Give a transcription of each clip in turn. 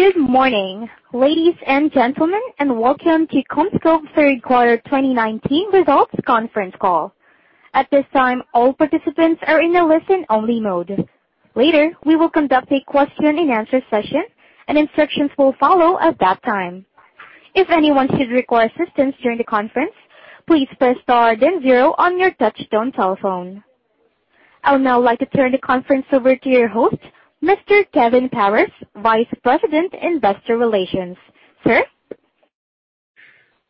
Good morning, ladies and gentlemen, and welcome to CommScope third quarter 2019 results conference call. At this time, all participants are in a listen-only mode. Later, we will conduct a question-and-answer session, and instructions will follow at that time. If anyone should require assistance during the conference, please press star then zero on your touchtone telephone. I would now like to turn the conference over to your host, Mr. Kevin Powers, Vice President, Investor Relations. Sir?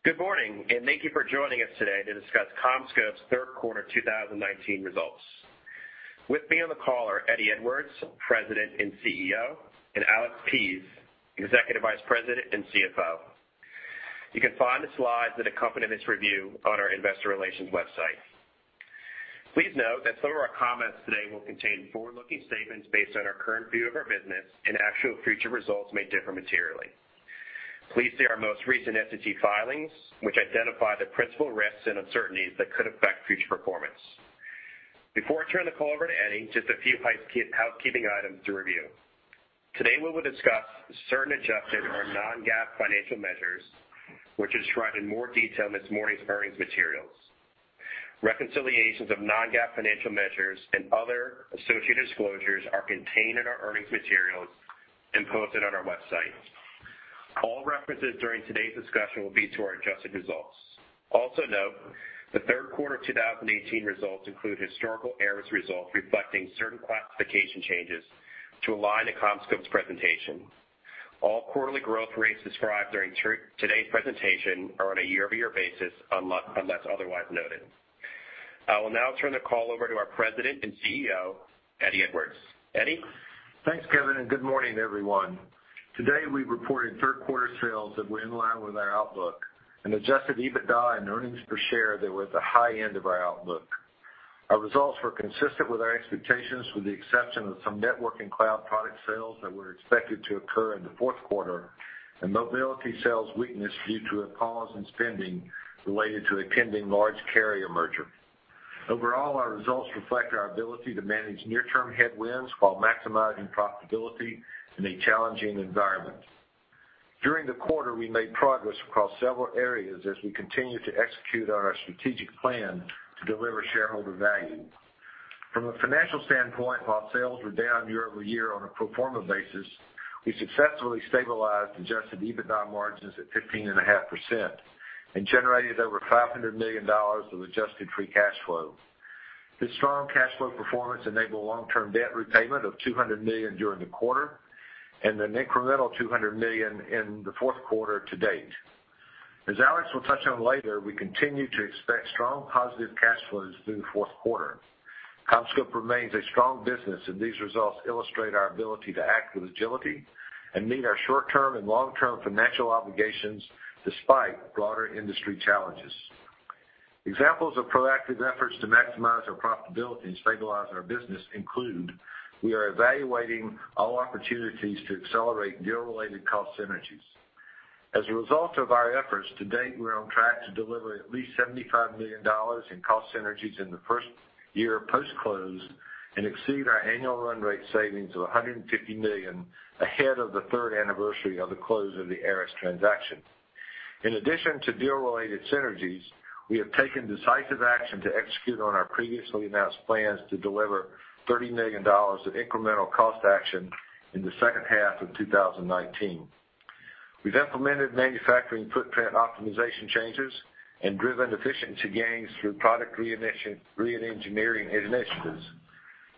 Good morning, and thank you for joining us today to discuss CommScope's third quarter 2019 results. With me on the call are Eddie Edwards, President and CEO, and Alex Pease, Executive Vice President and CFO. You can find the slides that accompany this review on our investor relations website. Please note that some of our comments today will contain forward-looking statements based on our current view of our business, and actual future results may differ materially. Please see our most recent SEC filings, which identify the principal risks and uncertainties that could affect future performance. Before I turn the call over to Eddie, just a few housekeeping items to review. Today, we will discuss certain adjusted or non-GAAP financial measures, which is described in more detail in this morning's earnings materials. Reconciliations of non-GAAP financial measures and other associated disclosures are contained in our earnings materials and posted on our website. All references during today's discussion will be to our adjusted results. Note, the third quarter 2018 results include historical ARRIS results reflecting certain classification changes to align to CommScope's presentation. All quarterly growth rates described during today's presentation are on a year-over-year basis, unless otherwise noted. I will now turn the call over to our President and CEO, Eddie Edwards. Eddie? Thanks, Kevin. Good morning, everyone. Today, we reported third quarter sales that were in line with our outlook and adjusted EBITDA and earnings per share that were at the high end of our outlook. Our results were consistent with our expectations with the exception of some network and cloud product sales that were expected to occur in the fourth quarter. Mobility sales weakness due to a pause in spending related to a pending large carrier merger. Overall, our results reflect our ability to manage near-term headwinds while maximizing profitability in a challenging environment. During the quarter, we made progress across several areas as we continue to execute on our strategic plan to deliver shareholder value. From a financial standpoint, while sales were down year-over-year on a pro forma basis, we successfully stabilized adjusted EBITDA margins at 15.5% and generated over $500 million of adjusted free cash flow. This strong cash flow performance enabled long-term debt repayment of $200 million during the quarter, and an incremental $200 million in the fourth quarter to date. As Alex will touch on later, we continue to expect strong positive cash flows through the fourth quarter. CommScope remains a strong business, and these results illustrate our ability to act with agility and meet our short-term and long-term financial obligations despite broader industry challenges. Examples of proactive efforts to maximize our profitability and stabilize our business include we are evaluating all opportunities to accelerate deal-related cost synergies. As a result of our efforts to date, we're on track to deliver at least $75 million in cost synergies in the first year post-close and exceed our annual run rate savings of $150 million ahead of the third anniversary of the close of the ARRIS transaction. In addition to deal-related synergies, we have taken decisive action to execute on our previously announced plans to deliver $30 million of incremental cost action in the second half of 2019. We've implemented manufacturing footprint optimization changes and driven efficiency gains through product re-engineering initiatives.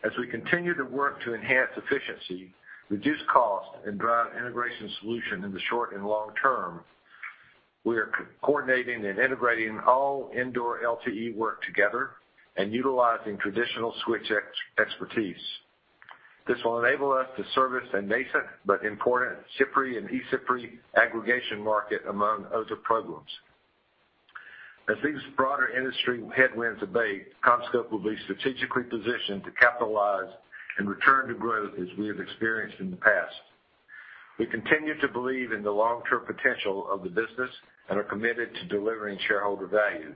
As we continue to work to enhance efficiency, reduce cost, and drive integration solution in the short and long term, we are coordinating and integrating all indoor LTE work together and utilizing traditional switch expertise. This will enable us to service a nascent but important CPRI and eCPRI aggregation market, among other programs. As these broader industry headwinds abate, CommScope will be strategically positioned to capitalize and return to growth as we have experienced in the past. We continue to believe in the long-term potential of the business and are committed to delivering shareholder value.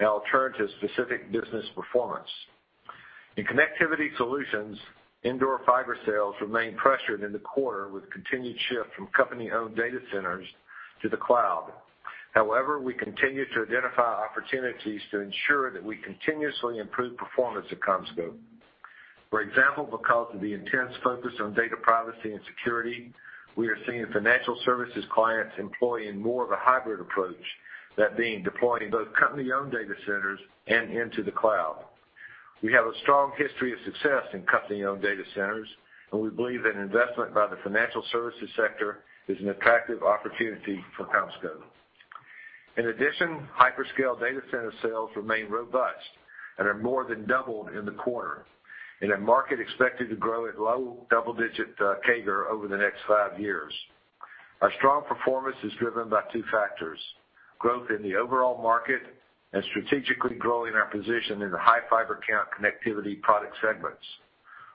Now I'll turn to specific business performance. In connectivity solutions, indoor fiber sales remained pressured in the quarter with continued shift from company-owned data centers to the cloud. However, we continue to identify opportunities to ensure that we continuously improve performance at CommScope. For example, because of the intense focus on data privacy and security, we are seeing financial services clients employing more of a hybrid approach, that being deployed in both company-owned data centers and into the cloud. We have a strong history of success in company-owned data centers, and we believe that investment by the financial services sector is an attractive opportunity for CommScope. In addition, hyperscale data center sales remain robust and are more than doubled in the quarter in a market expected to grow at low double-digit CAGR over the next five years. Our strong performance is driven by two factors, growth in the overall market and strategically growing our position in the high fiber count connectivity product segments.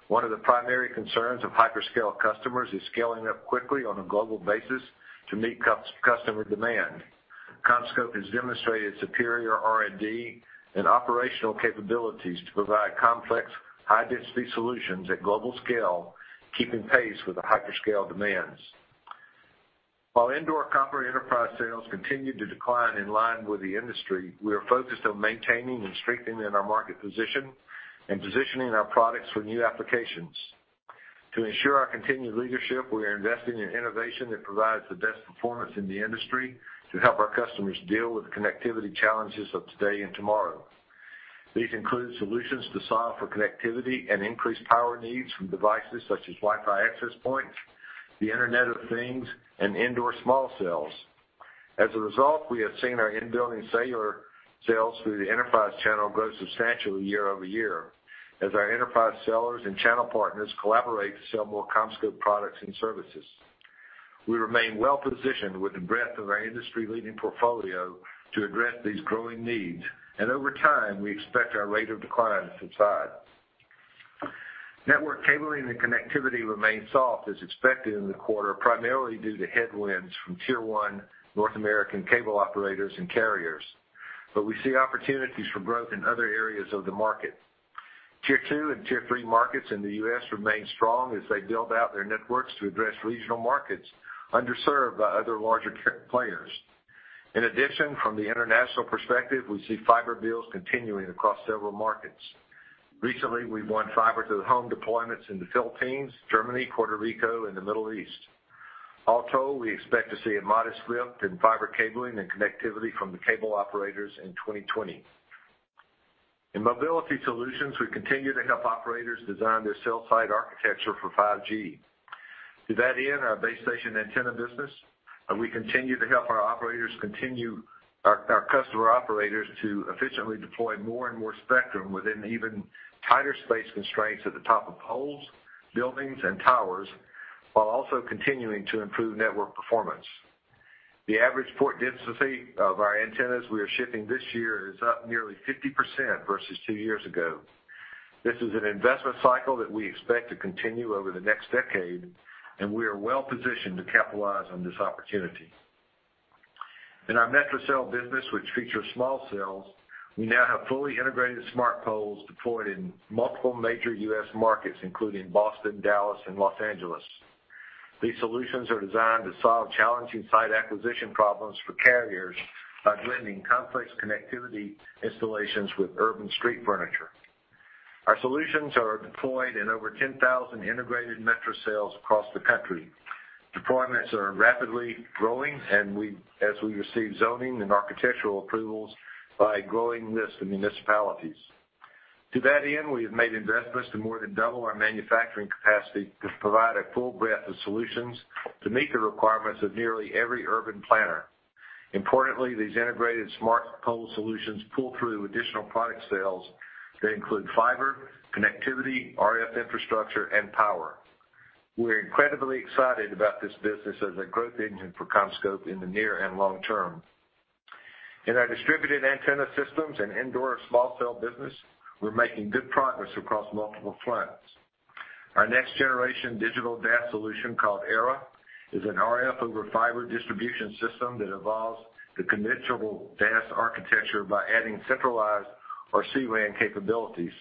One of the primary concerns of hyperscale customers is scaling up quickly on a global basis to meet customer demand. CommScope has demonstrated superior R&D and operational capabilities to provide complex high-density solutions at global scale, keeping pace with the hyperscale demands. While indoor copper enterprise sales continued to decline in line with the industry, we are focused on maintaining and strengthening our market position and positioning our products for new applications. To ensure our continued leadership, we are investing in innovation that provides the best performance in the industry to help our customers deal with the connectivity challenges of today and tomorrow. These include solutions to solve for connectivity and increased power needs from devices such as Wi-Fi access points, the Internet of Things, and indoor small cells. As a result, we have seen our in-building cellular sales through the enterprise channel grow substantially year-over-year as our enterprise sellers and channel partners collaborate to sell more CommScope products and services. We remain well-positioned with the breadth of our industry-leading portfolio to address these growing needs, and over time, we expect our rate of decline to subside. Network cabling and connectivity remained soft as expected in the quarter, primarily due to headwinds from tier 1 North American cable operators and carriers. We see opportunities for growth in other areas of the market. Tier 2 and tier 3 markets in the U.S. remain strong as they build out their networks to address regional markets underserved by other larger players. In addition, from the international perspective, we see fiber builds continuing across several markets. Recently, we've won fiber to the home deployments in the Philippines, Germany, Puerto Rico, and the Middle East. Also, we expect to see a modest lift in fiber cabling and connectivity from the cable operators in 2020. In mobility solutions, we continue to help operators design their cell site architecture for 5G. To that end, our base station antenna business, and we continue to help our customer operators to efficiently deploy more and more spectrum within even tighter space constraints at the top of poles, buildings, and towers, while also continuing to improve network performance. The average port density of our antennas we are shipping this year is up nearly 50% versus two years ago. This is an investment cycle that we expect to continue over the next decade, and we are well positioned to capitalize on this opportunity. In our metro cell business, which features small cells, we now have fully integrated smart poles deployed in multiple major U.S. markets, including Boston, Dallas, and Los Angeles. These solutions are designed to solve challenging site acquisition problems for carriers by blending complex connectivity installations with urban street furniture. Our solutions are deployed in over 10,000 integrated metro cells across the country. Deployments are rapidly growing and as we receive zoning and architectural approvals by a growing list of municipalities. To that end, we have made investments to more than double our manufacturing capacity to provide a full breadth of solutions to meet the requirements of nearly every urban planner. Importantly, these integrated smart pole solutions pull through additional product sales that include fiber, connectivity, RF infrastructure, and power. We're incredibly excited about this business as a growth engine for CommScope in the near and long term. In our distributed antenna systems and indoor small cell business, we're making good progress across multiple fronts. Our next-generation digital DAS solution called ERA is an RF over fiber distribution system that evolves the conventional DAS architecture by adding centralized or C-RAN capabilities.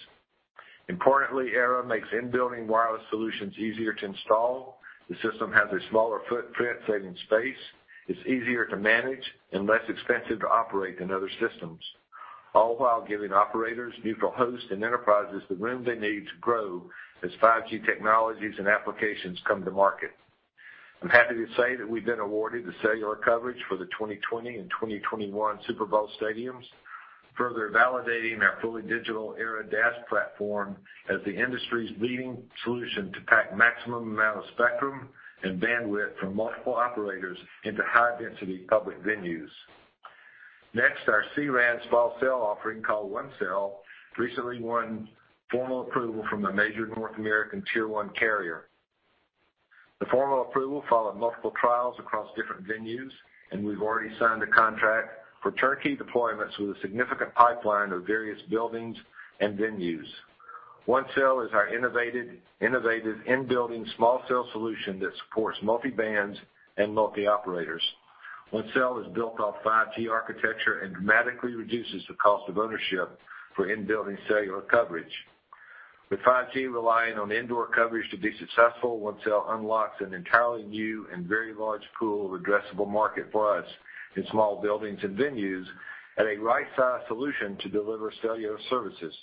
Importantly, ERA makes in-building wireless solutions easier to install. The system has a smaller footprint, saving space, is easier to manage, and less expensive to operate than other systems, all while giving operators, neutral hosts, and enterprises the room they need to grow as 5G technologies and applications come to market. I'm happy to say that we've been awarded the cellular coverage for the 2020 and 2021 Super Bowl stadiums, further validating our fully digital ERA DAS platform as the industry's leading solution to pack maximum amount of spectrum and bandwidth from multiple operators into high-density public venues. Our C-RAN small cell offering called ONECELL, recently won formal approval from a major North American tier 1 carrier. The formal approval followed multiple trials across different venues. We've already signed a contract for turnkey deployments with a significant pipeline of various buildings and venues. ONECELL is our innovative in-building small cell solution that supports multi-bands and multi-operators. ONECELL is built off 5G architecture and dramatically reduces the cost of ownership for in-building cellular coverage. With 5G relying on indoor coverage to be successful, ONECELL unlocks an entirely new and very large pool of addressable market for us in small buildings and venues at a right-sized solution to deliver cellular services.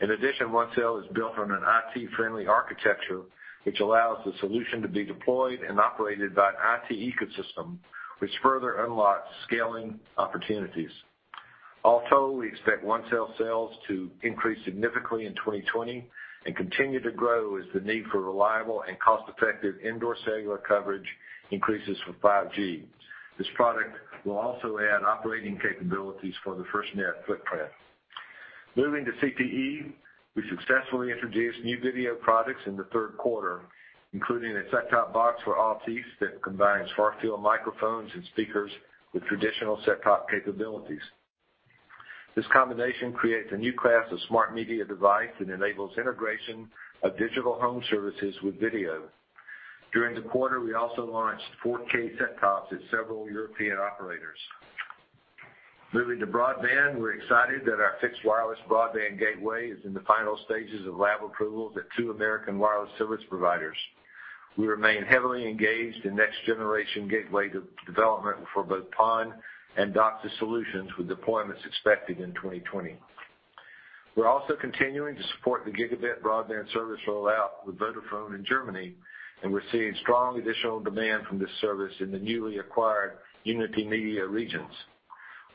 In addition, ONECELL is built on an IT-friendly architecture, which allows the solution to be deployed and operated by an IT ecosystem, which further unlocks scaling opportunities. We expect ONECELL sales to increase significantly in 2020 and continue to grow as the need for reliable and cost-effective indoor cellular coverage increases for 5G. This product will also add operating capabilities for the FirstNet footprint. Moving to CPE, we successfully introduced new video products in the third quarter, including a set-top box for Altice that combines far-field microphones and speakers with traditional set-top capabilities. This combination creates a new class of smart media device and enables integration of digital home services with video. During the quarter, we also launched 4K set tops at several European operators. Moving to broadband, we're excited that our fixed wireless broadband gateway is in the final stages of lab approvals at two American wireless service providers. We remain heavily engaged in next generation gateway development for both PON and DOCSIS solutions, with deployments expected in 2020. We're also continuing to support the gigabit broadband service rollout with Vodafone in Germany, and we're seeing strong additional demand from this service in the newly acquired Unitymedia regions.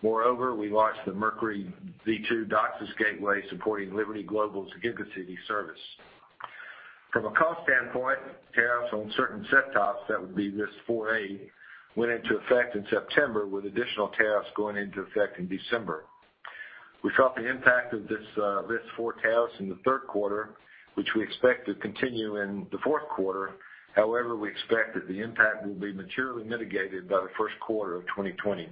Moreover, we launched the Mercury V2 DOCSIS gateway supporting Liberty Global's GigaCity service. From a cost standpoint, tariffs on certain set tops, that would be List 4A, went into effect in September with additional tariffs going into effect in December. We felt the impact of this List 4 tariffs in the third quarter, which we expect to continue in the fourth quarter. However, we expect that the impact will be materially mitigated by the first quarter of 2020.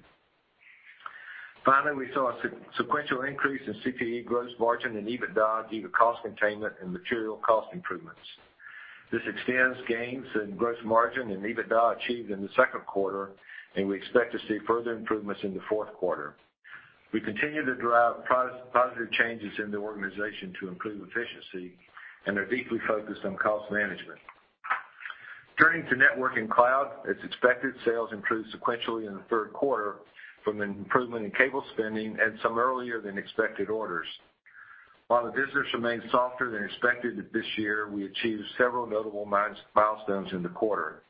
Finally, we saw a sequential increase in CPE gross margin and EBITDA due to cost containment and material cost improvements. This extends gains in gross margin and EBITDA achieved in the second quarter, and we expect to see further improvements in the fourth quarter. We continue to drive positive changes in the organization to improve efficiency and are deeply focused on cost management. Turning to network and cloud, as expected, sales improved sequentially in the third quarter from an improvement in cable spending and some earlier than expected orders. While the business remained softer than expected this year, we achieved several notable milestones in the quarter.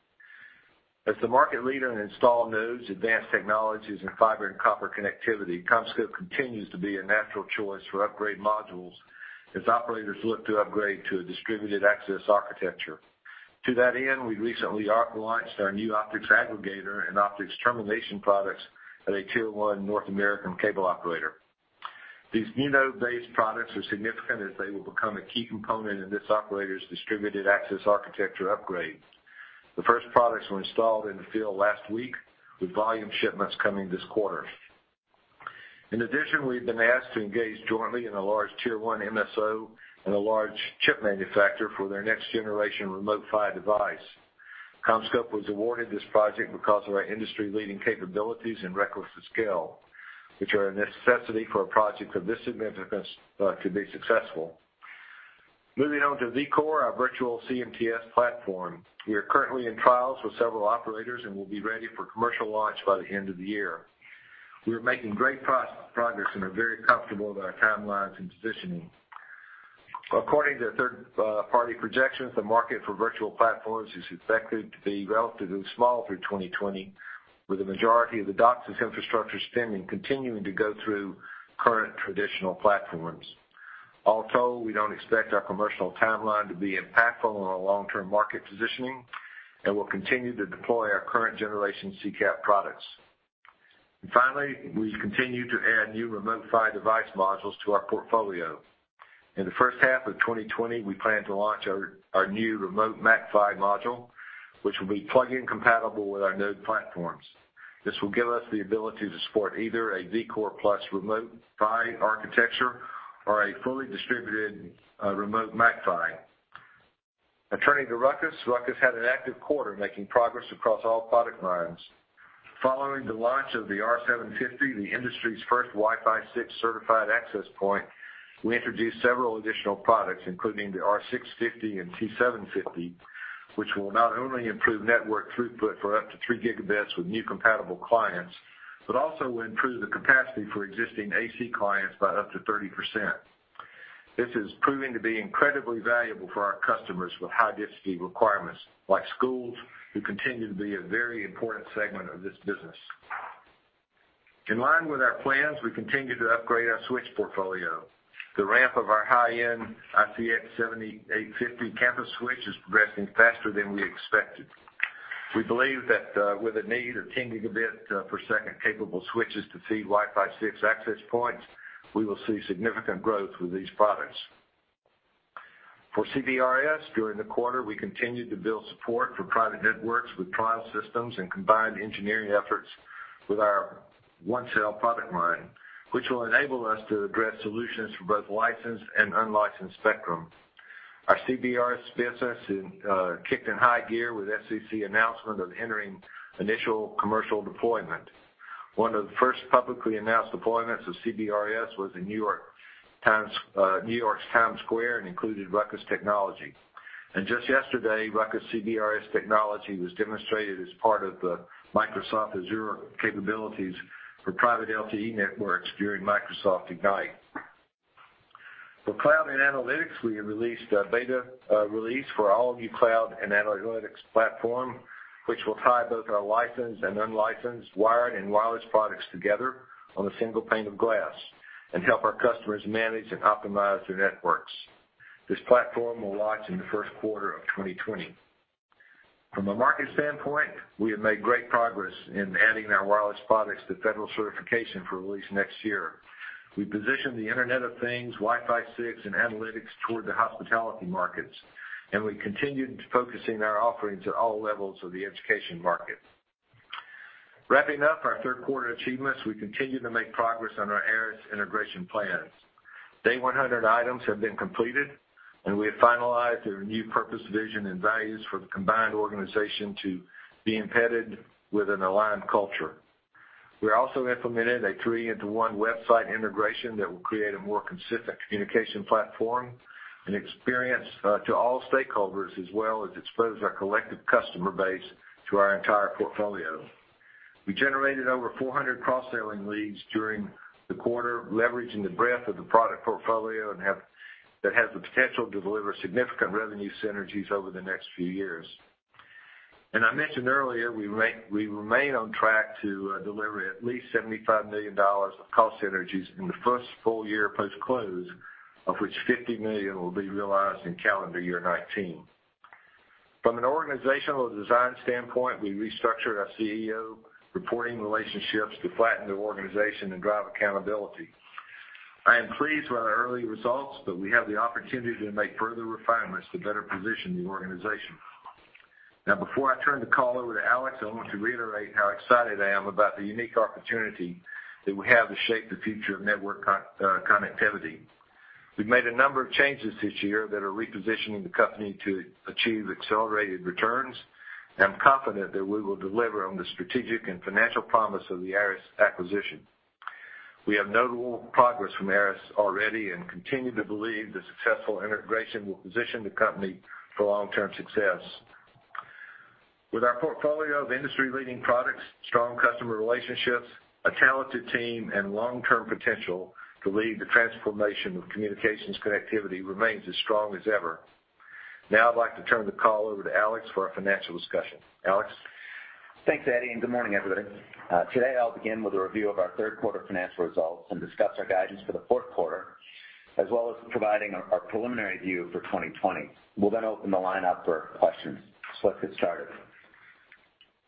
As the market leader in installed nodes, advanced technologies in fiber and copper connectivity, CommScope continues to be a natural choice for upgrade modules as operators look to upgrade to a distributed access architecture. To that end, we recently launched our new optics aggregator and optics termination products at a Tier 1 North American cable operator. These new node-based products are significant as they will become a key component in this operator's distributed access architecture upgrade. The first products were installed in the field last week, with volume shipments coming this quarter. In addition, we've been asked to engage jointly in a large Tier 1 MSO and a large chip manufacturer for their next generation Remote PHY device. CommScope was awarded this project because of our industry-leading capabilities and records of scale, which are a necessity for a project of this significance to be successful. Moving on to vCore, our virtual CMTS platform. We are currently in trials with several operators and will be ready for commercial launch by the end of the year. We are making great progress and are very comfortable with our timelines and positioning. According to third-party projections, the market for virtual platforms is expected to be relatively small through 2020, with the majority of the DOCSIS infrastructure spending continuing to go through current traditional platforms. All told, we don't expect our commercial timeline to be impactful on our long-term market positioning, and we'll continue to deploy our current generation CCAP products. Finally, we continue to add new Remote PHY device modules to our portfolio. In the first half of 2020, we plan to launch our new Remote MAC-PHY module, which will be plug-in compatible with our node platforms. This will give us the ability to support either a vCore plus Remote PHY architecture or a fully distributed Remote MAC-PHY. Turning to RUCKUS. RUCKUS had an active quarter, making progress across all product lines. Following the launch of the R750, the industry's first Wi-Fi 6 certified access point, we introduced several additional products, including the R650 and T750, which will not only improve network throughput for up to three gigabits with new compatible clients, but also will improve the capacity for existing AC clients by up to 30%. This is proving to be incredibly valuable for our customers with high-density requirements, like schools, who continue to be a very important segment of this business. In line with our plans, we continue to upgrade our switch portfolio. The ramp of our high-end ICX 7850 campus switch is progressing faster than we expected. We believe that with a need of 10 gigabit per second capable switches to feed Wi-Fi 6 access points, we will see significant growth with these products. For CBRS, during the quarter, we continued to build support for private networks with trial systems and combined engineering efforts with our ONECELL product line, which will enable us to address solutions for both licensed and unlicensed spectrum. Our CBRS business kicked in high gear with FCC announcement of entering initial commercial deployment. One of the first publicly announced deployments of CBRS was in New York's Times Square, and included RUCKUS technology. Just yesterday, RUCKUS CBRS technology was demonstrated as part of the Microsoft Azure capabilities for private LTE networks during Microsoft Ignite. For cloud and analytics, we have released a beta release for our All of You Cloud and Analytics platform, which will tie both our licensed and unlicensed wired and wireless products together on a single pane of glass and help our customers manage and optimize their networks. This platform will launch in the first quarter of 2020. From a market standpoint, we have made great progress in adding our wireless products to federal certification for release next year. We positioned the Internet of Things, Wi-Fi 6, and analytics toward the hospitality markets, and we continued focusing our offerings at all levels of the education market. Wrapping up our third quarter achievements, we continue to make progress on our ARRIS integration plans. Day 100 items have been completed, and we have finalized the renewed purpose, vision, and values for the combined organization to be embedded with an aligned culture. We also implemented a three-into-one website integration that will create a more consistent communication platform and experience to all stakeholders, as well as expose our collective customer base to our entire portfolio. We generated over 400 cross-selling leads during the quarter, leveraging the breadth of the product portfolio, that has the potential to deliver significant revenue synergies over the next few years. I mentioned earlier, we remain on track to deliver at least $75 million of cost synergies in the first full year post-close, of which $50 million will be realized in calendar year 2019. From an organizational design standpoint, we restructured our CEO reporting relationships to flatten the organization and drive accountability. I am pleased with our early results, we have the opportunity to make further refinements to better position the organization. Before I turn the call over to Alex, I want to reiterate how excited I am about the unique opportunity that we have to shape the future of network connectivity. We've made a number of changes this year that are repositioning the company to achieve accelerated returns. I am confident that we will deliver on the strategic and financial promise of the ARRIS acquisition. We have notable progress from ARRIS already and continue to believe the successful integration will position the company for long-term success. With our portfolio of industry-leading products, strong customer relationships, a talented team, and long-term potential to lead the transformation of communications connectivity remains as strong as ever. Now I'd like to turn the call over to Alex for our financial discussion. Alex? Thanks, Eddie. Good morning, everybody. Today, I'll begin with a review of our third quarter financial results and discuss our guidance for the fourth quarter, as well as providing our preliminary view for 2020. We'll open the line up for questions. Let's get started.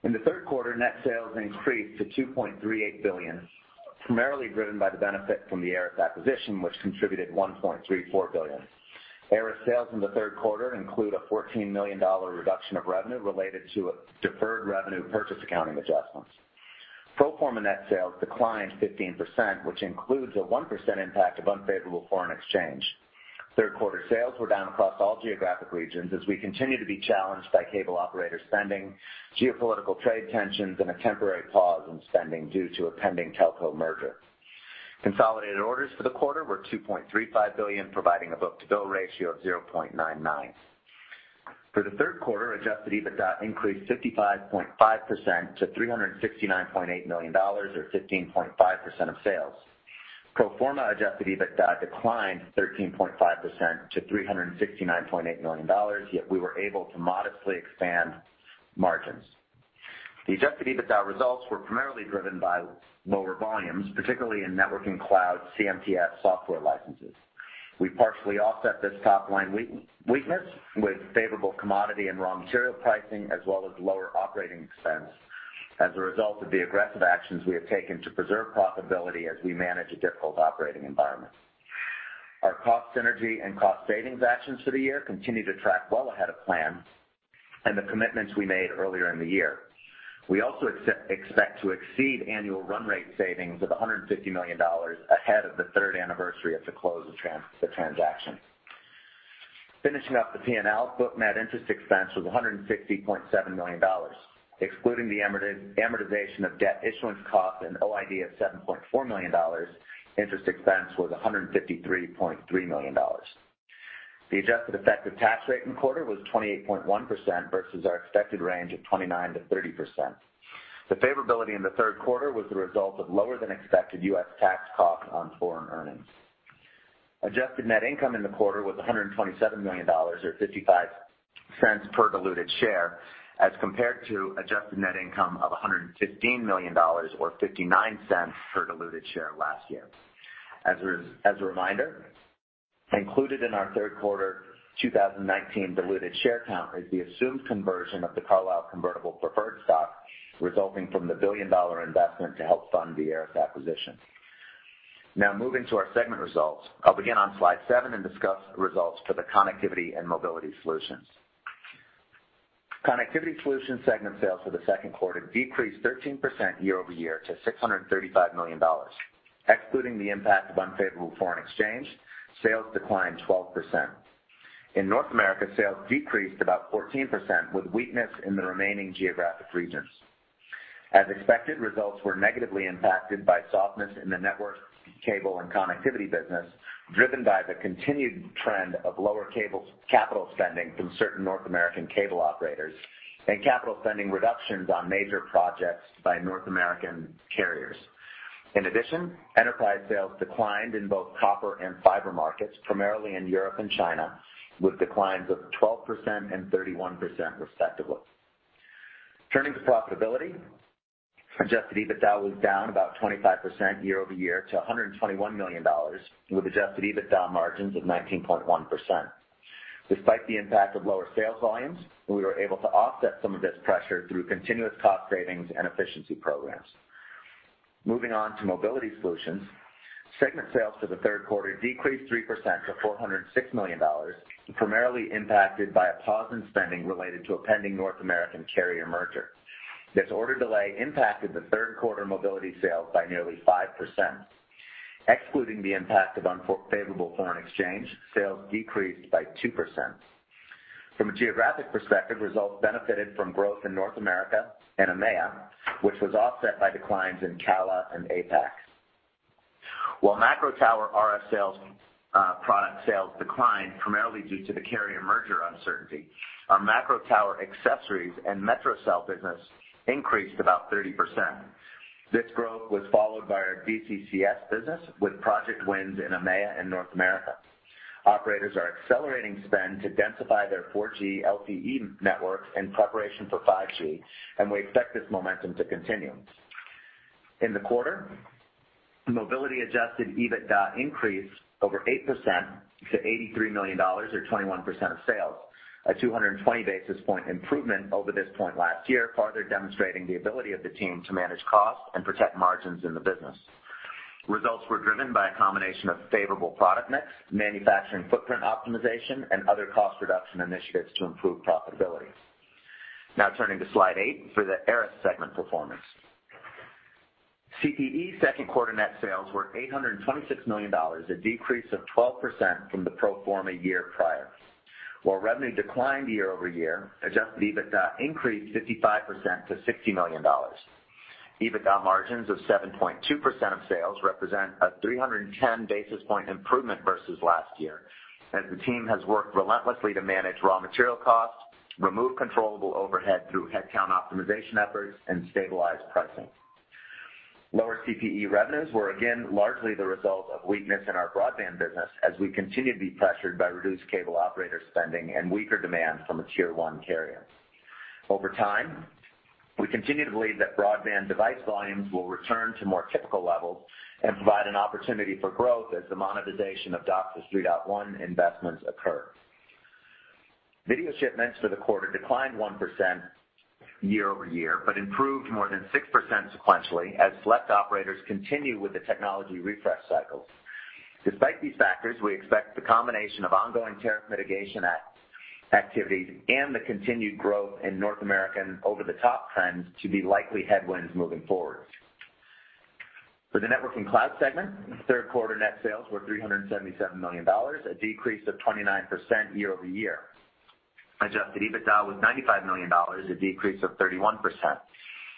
In the third quarter, net sales increased to $2.38 billion, primarily driven by the benefit from the ARRIS acquisition, which contributed $1.34 billion. ARRIS sales in the third quarter include a $14 million reduction of revenue related to deferred revenue purchase accounting adjustments. Pro forma net sales declined 15%, which includes a 1% impact of unfavorable foreign exchange. Third quarter sales were down across all geographic regions as we continue to be challenged by cable operators' spending, geopolitical trade tensions, and a temporary pause in spending due to a pending telco merger. Consolidated orders for the quarter were $2.35 billion, providing a book-to-bill ratio of 0.99. For the third quarter, adjusted EBITDA increased 55.5% to $369.8 million or 15.5% of sales. Pro forma adjusted EBITDA declined 13.5% to $369.8 million. We were able to modestly expand margins. The adjusted EBITDA results were primarily driven by lower volumes, particularly in networking cloud CMTS software licenses. We partially offset this top-line weakness with favorable commodity and raw material pricing, as well as lower operating expense as a result of the aggressive actions we have taken to preserve profitability as we manage a difficult operating environment. Our cost synergy and cost savings actions for the year continue to track well ahead of plan and the commitments we made earlier in the year. We also expect to exceed annual run rate savings of $150 million ahead of the third anniversary of the close of the transaction. Finishing up the P&L, book net interest expense was $160.7 million. Excluding the amortization of debt issuance costs and OID of $7.4 million, interest expense was $153.3 million. The adjusted effective tax rate in the quarter was 28.1% versus our expected range of 29%-30%. The favorability in the third quarter was the result of lower than expected U.S. tax costs on foreign earnings. Adjusted net income in the quarter was $127 million, or $0.55 per diluted share, as compared to adjusted net income of $115 million or $0.59 per diluted share last year. As a reminder, included in our third quarter 2019 diluted share count is the assumed conversion of the Carlyle convertible preferred stock, resulting from the $1 billion investment to help fund the ARRIS acquisition. Moving to our segment results. I'll begin on slide seven and discuss the results for the connectivity and mobility solutions. Connectivity solution segment sales for the third quarter decreased 13% year-over-year to $635 million. Excluding the impact of unfavorable foreign exchange, sales declined 12%. In North America, sales decreased about 14% with weakness in the remaining geographic regions. As expected, results were negatively impacted by softness in the network cable and connectivity business, driven by the continued trend of lower capital spending from certain North American cable operators and capital spending reductions on major projects by North American carriers. Enterprise sales declined in both copper and fiber markets, primarily in Europe and China, with declines of 12% and 31%, respectively. Turning to profitability, adjusted EBITDA was down about 25% year-over-year to $121 million, with adjusted EBITDA margins of 19.1%. Despite the impact of lower sales volumes, we were able to offset some of this pressure through continuous cost savings and efficiency programs. Moving on to Mobility Solutions. Segment sales for the third quarter decreased 3% to $406 million, primarily impacted by a pause in spending related to a pending North American carrier merger. This order delay impacted the third quarter Mobility sales by nearly 5%. Excluding the impact of unfavorable foreign exchange, sales decreased by 2%. From a geographic perspective, results benefited from growth in North America and EMEA, which was offset by declines in CALA and APAC. While macro tower RF product sales declined primarily due to the carrier merger uncertainty, our macro tower accessories and metro cell business increased about 30%. This growth was followed by our BCCS business, with project wins in EMEA and North America. Operators are accelerating spend to densify their 4G LTE networks in preparation for 5G, and we expect this momentum to continue. In the quarter, mobility adjusted EBITDA increased over 8% to $83 million or 21% of sales, a 220 basis point improvement over this point last year, farther demonstrating the ability of the team to manage costs and protect margins in the business. Results were driven by a combination of favorable product mix, manufacturing footprint optimization, and other cost reduction initiatives to improve profitability. Now turning to slide eight for the ARRIS segment performance. CPE third quarter net sales were $826 million, a decrease of 12% from the pro forma year prior. While revenue declined year-over-year, adjusted EBITDA increased 55% to $60 million. EBITDA margins of 7.2% of sales represent a 310 basis point improvement versus last year, as the team has worked relentlessly to manage raw material costs, remove controllable overhead through headcount optimization efforts, and stabilize pricing. Lower CPE revenues were again largely the result of weakness in our broadband business as we continue to be pressured by reduced cable operator spending and weaker demand from a tier 1 carrier. Over time, we continue to believe that broadband device volumes will return to more typical levels and provide an opportunity for growth as the monetization of DOCSIS 3.1 investments occur. Video shipments for the quarter declined 1% year-over-year, but improved more than 6% sequentially as select operators continue with the technology refresh cycles. Despite these factors, we expect the combination of ongoing tariff mitigation activities and the continued growth in North American over-the-top trends to be likely headwinds moving forward. For the Networking Cloud segment, third quarter net sales were $377 million, a decrease of 29% year-over-year. Adjusted EBITDA was $95 million, a decrease of 31%.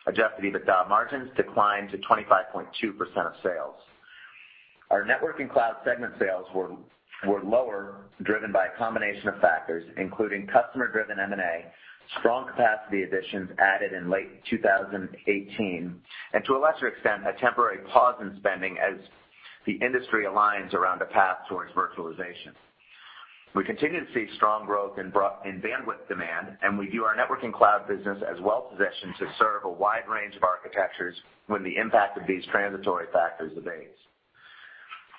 Adjusted EBITDA margins declined to 25.2% of sales. Our Networking Cloud segment sales were lower, driven by a combination of factors including customer-driven M&A, strong capacity additions added in late 2018, and to a lesser extent, a temporary pause in spending as the industry aligns around a path towards virtualization. We continue to see strong growth in bandwidth demand, and we view our Networking Cloud business as well-positioned to serve a wide range of architectures when the impact of these transitory factors abates.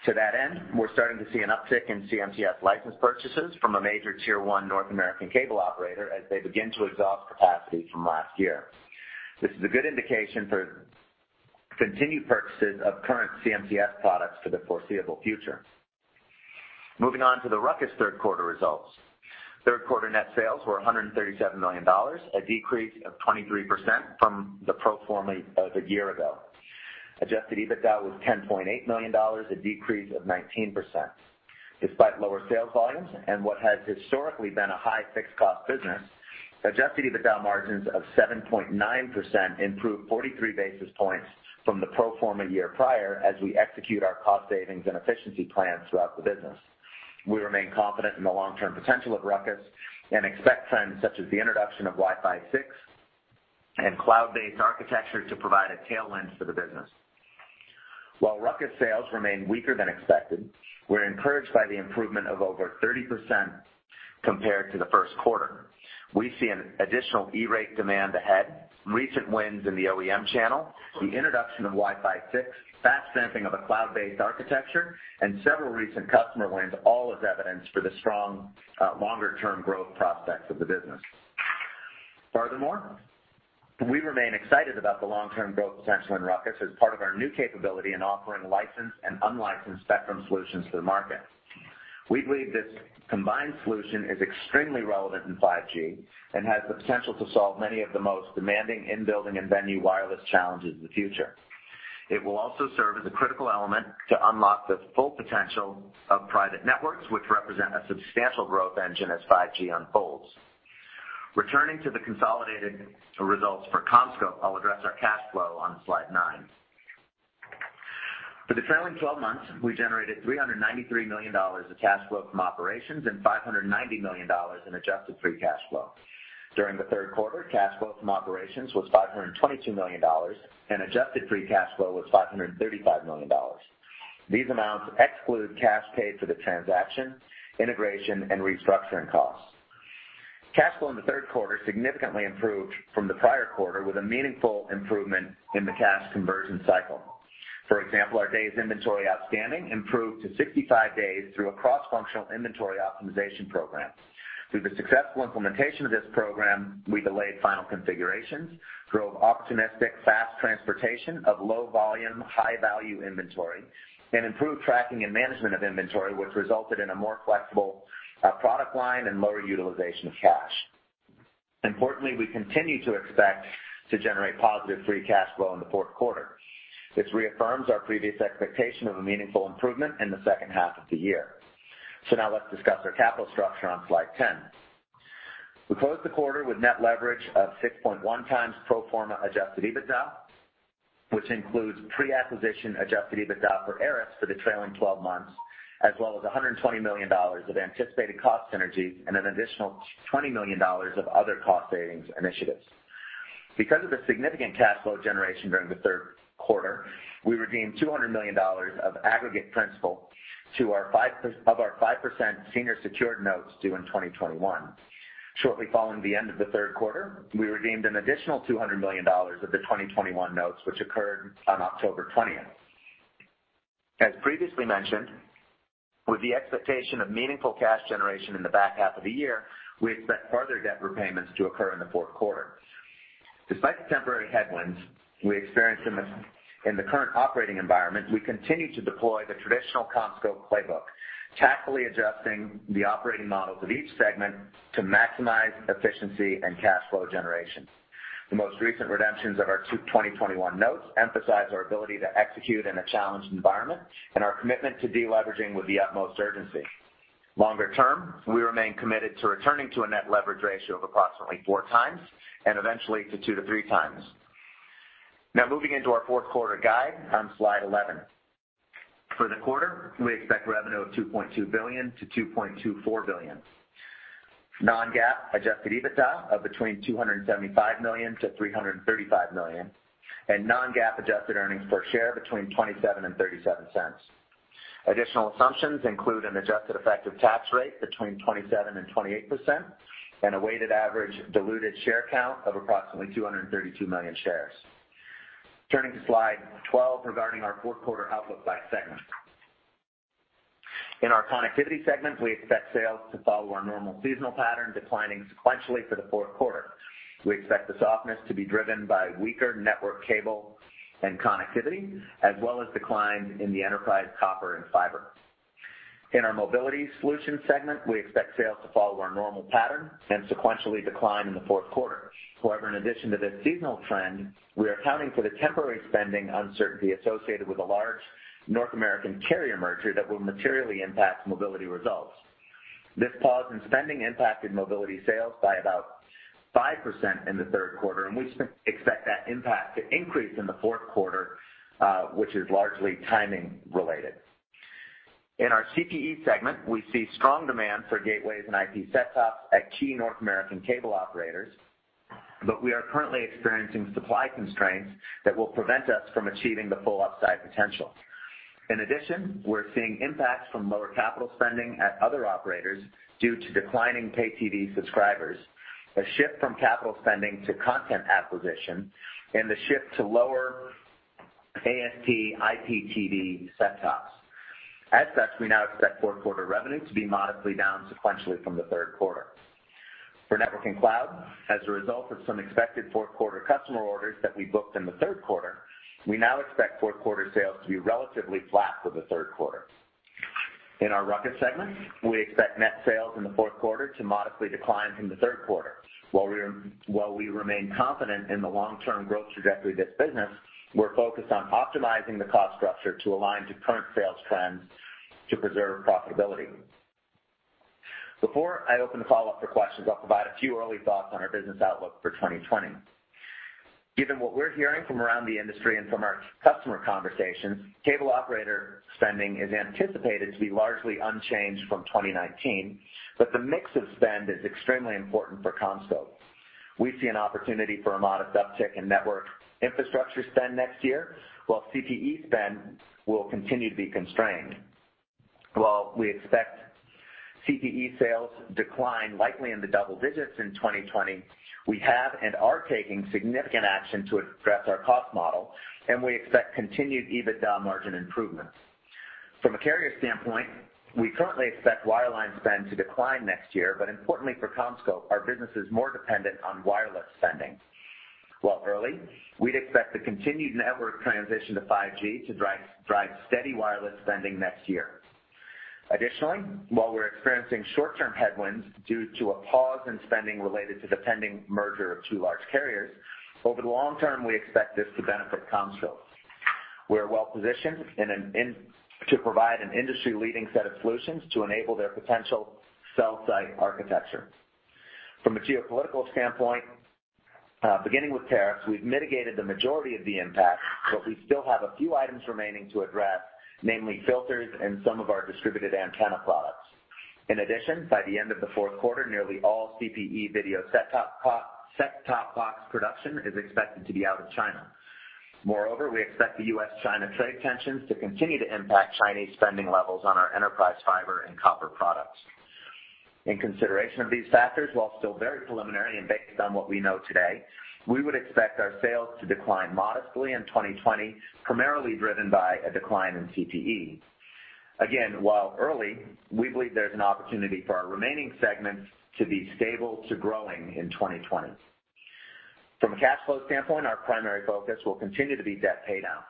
To that end, we're starting to see an uptick in CMTS license purchases from a major tier 1 North American cable operator as they begin to exhaust capacity from last year. This is a good indication for continued purchases of current CMTS products for the foreseeable future. Moving on to the RUCKUS third quarter results. Third quarter net sales were $137 million, a decrease of 23% from the pro forma of a year ago. Adjusted EBITDA was $10.8 million, a decrease of 19%. Despite lower sales volumes and what has historically been a high fixed cost business, adjusted EBITDA margins of 7.9% improved 43 basis points from the pro forma year prior as we execute our cost savings and efficiency plans throughout the business. We remain confident in the long-term potential of RUCKUS and expect trends such as the introduction of Wi-Fi 6 and cloud-based architecture to provide a tailwind for the business. While RUCKUS sales remained weaker than expected, we're encouraged by the improvement of over 30% compared to the first quarter. We see an additional E-Rate demand ahead, recent wins in the OEM channel, the introduction of Wi-Fi 6, fast sampling of a cloud-based architecture, and several recent customer wins, all as evidence for the strong longer-term growth prospects of the business. Furthermore, we remain excited about the long-term growth potential in RUCKUS as part of our new capability in offering licensed and unlicensed spectrum solutions to the market. We believe this combined solution is extremely relevant in 5G and has the potential to solve many of the most demanding in-building and venue wireless challenges in the future. It will also serve as a critical element to unlock the full potential of private networks, which represent a substantial growth engine as 5G unfolds. Returning to the consolidated results for CommScope, I'll address our cash flow on slide nine. For the trailing 12 months, we generated $393 million of cash flow from operations and $590 million in adjusted free cash flow. During the third quarter, cash flow from operations was $522 million, and adjusted free cash flow was $535 million. These amounts exclude cash paid for the transaction, integration, and restructuring costs. Cash flow in the third quarter significantly improved from the prior quarter with a meaningful improvement in the cash conversion cycle. Our days inventory outstanding improved to 65 days through a cross-functional inventory optimization program. Through the successful implementation of this program, we delayed final configurations, drove opportunistic fast transportation of low volume, high value inventory, and improved tracking and management of inventory, which resulted in a more flexible product line and lower utilization of cash. Importantly, we continue to expect to generate positive free cash flow in the fourth quarter. This reaffirms our previous expectation of a meaningful improvement in the second half of the year. Now let's discuss our capital structure on slide 10. We closed the quarter with net leverage of 6.1 times pro forma adjusted EBITDA, which includes pre-acquisition adjusted EBITDA for ARRIS for the trailing 12 months, as well as $120 million of anticipated cost synergies and an additional $20 million of other cost savings initiatives. Because of the significant cash flow generation during the third quarter, we redeemed $200 million of aggregate principal of our 5% senior secured notes due in 2021. Shortly following the end of the third quarter, we redeemed an additional $200 million of the 2021 notes, which occurred on October 20th. As previously mentioned, with the expectation of meaningful cash generation in the back half of the year, we expect further debt repayments to occur in the fourth quarter. Despite the temporary headwinds we experienced in the current operating environment, we continue to deploy the traditional CommScope playbook, tactfully adjusting the operating models of each segment to maximize efficiency and cash flow generation. The most recent redemptions of our 2021 notes emphasize our ability to execute in a challenged environment and our commitment to de-leveraging with the utmost urgency. Longer term, we remain committed to returning to a net leverage ratio of approximately four times and eventually to two to three times. Now moving into our fourth quarter guide on slide 11. For the quarter, we expect revenue of $2.2 billion to $2.24 billion. Non-GAAP adjusted EBITDA of between $275 million to $335 million, and non-GAAP adjusted earnings per share between $0.27 and $0.37. Additional assumptions include an adjusted effective tax rate between 27% and 28% and a weighted average diluted share count of approximately 232 million shares. Turning to slide 12 regarding our fourth quarter outlook by Segment. In our Connectivity Segment, we expect sales to follow our normal seasonal pattern, declining sequentially for the fourth quarter. We expect the softness to be driven by weaker network cable and connectivity, as well as declines in the enterprise copper and fiber. In our Mobility Solutions Segment, we expect sales to follow our normal pattern and sequentially decline in the fourth quarter. However, in addition to this seasonal trend, we are accounting for the temporary spending uncertainty associated with a large North American carrier merger that will materially impact mobility results. This pause in spending impacted mobility sales by about 5% in the third quarter, and we expect that impact to increase in the fourth quarter, which is largely timing related. In our CPE segment, we see strong demand for gateways and IP set-tops at key North American cable operators, but we are currently experiencing supply constraints that will prevent us from achieving the full upside potential. In addition, we're seeing impacts from lower capital spending at other operators due to declining pay TV subscribers, a shift from capital spending to content acquisition, and the shift to lower ASP IPTV set-tops. As such, we now expect fourth quarter revenue to be modestly down sequentially from the third quarter. For Networking Cloud, as a result of some expected fourth quarter customer orders that we booked in the third quarter, we now expect fourth quarter sales to be relatively flat for the third quarter. In our RUCKUS segment, we expect net sales in the fourth quarter to modestly decline from the third quarter. While we remain confident in the long-term growth trajectory of this business, we're focused on optimizing the cost structure to align to current sales trends to preserve profitability. Before I open the call up for questions, I'll provide a few early thoughts on our business outlook for 2020. Given what we're hearing from around the industry and from our customer conversations, cable operator spending is anticipated to be largely unchanged from 2019, but the mix of spend is extremely important for CommScope. We see an opportunity for a modest uptick in network infrastructure spend next year, while CPE spend will continue to be constrained. While we expect CPE sales decline likely in the double digits in 2020, we have and are taking significant action to address our cost model, and we expect continued EBITDA margin improvements. From a carrier standpoint, we currently expect wireline spend to decline next year. Importantly for CommScope, our business is more dependent on wireless spending. While early, we'd expect the continued network transition to 5G to drive steady wireless spending next year. Additionally, while we're experiencing short-term headwinds due to a pause in spending related to the pending merger of two large carriers, over the long term, we expect this to benefit CommScope. We're well positioned to provide an industry-leading set of solutions to enable their potential cell site architecture. From a geopolitical standpoint, beginning with tariffs, we've mitigated the majority of the impact. We still have a few items remaining to address, namely filters and some of our distributed antenna products. In addition, by the end of the fourth quarter, nearly all CPE video set-top box production is expected to be out of China. Moreover, we expect the U.S.-China trade tensions to continue to impact Chinese spending levels on our enterprise fiber and copper products. In consideration of these factors, while still very preliminary and based on what we know today, we would expect our sales to decline modestly in 2020, primarily driven by a decline in CPE. Again, while early, we believe there's an opportunity for our remaining segments to be stable to growing in 2020. From a cash flow standpoint, our primary focus will continue to be debt paydown.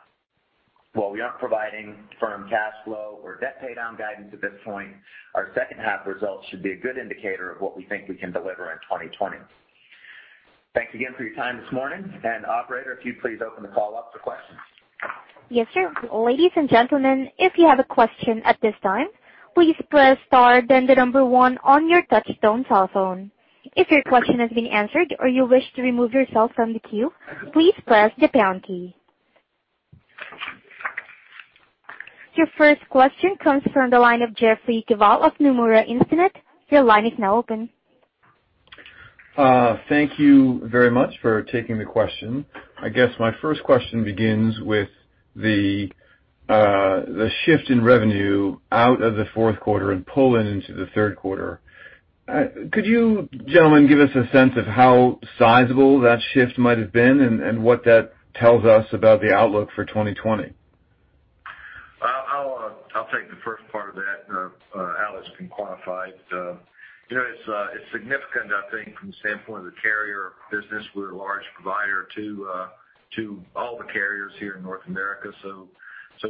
While we aren't providing firm cash flow or debt paydown guidance at this point, our second half results should be a good indicator of what we think we can deliver in 2020. Thanks again for your time this morning. Operator, if you'd please open the call up for questions. Yes, sir. Ladies and gentlemen, if you have a question at this time, please press star then the number 1 on your touchtone cell phone. If your question has been answered or you wish to remove yourself from the queue, please press the pound key. Your first question comes from the line of Jeffrey Kvaal of Nomura Instinet. Your line is now open. Thank you very much for taking the question. I guess my first question begins with the shift in revenue out of the fourth quarter and pull it into the third quarter. Could you, gentlemen, give us a sense of how sizable that shift might have been and what that tells us about the outlook for 2020? I'll take the first part of that, Alex can quantify it. It's significant, I think, from the standpoint of the carrier business. We're a large provider to all the carriers here in North America.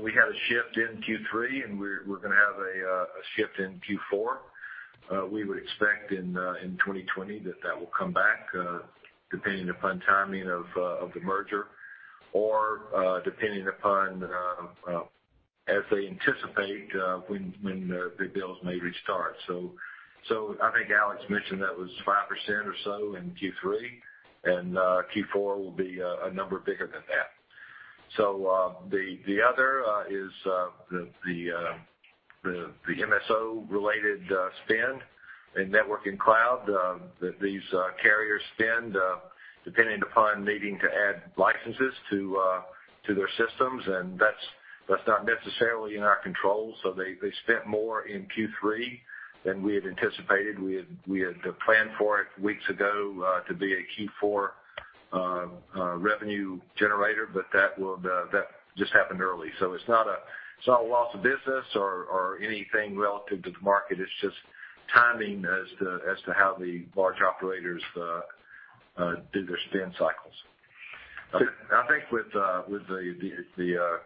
We had a shift in Q3, and we're going to have a shift in Q4. We would expect in 2020 that that will come back, depending upon timing of the merger or depending upon, as they anticipate, when the bills may restart. I think Alex mentioned that was 5% or so in Q3, and Q4 will be a number bigger than that. The other is the MSO-related spend in network and cloud, that these carriers spend depending upon needing to add licenses to their systems. That's not necessarily in our control. They spent more in Q3 than we had anticipated. We had planned for it weeks ago to be a Q4 revenue generator. That just happened early. It's not a loss of business or anything relative to the market. It's just timing as to how the large operators do their spend cycles. I think with the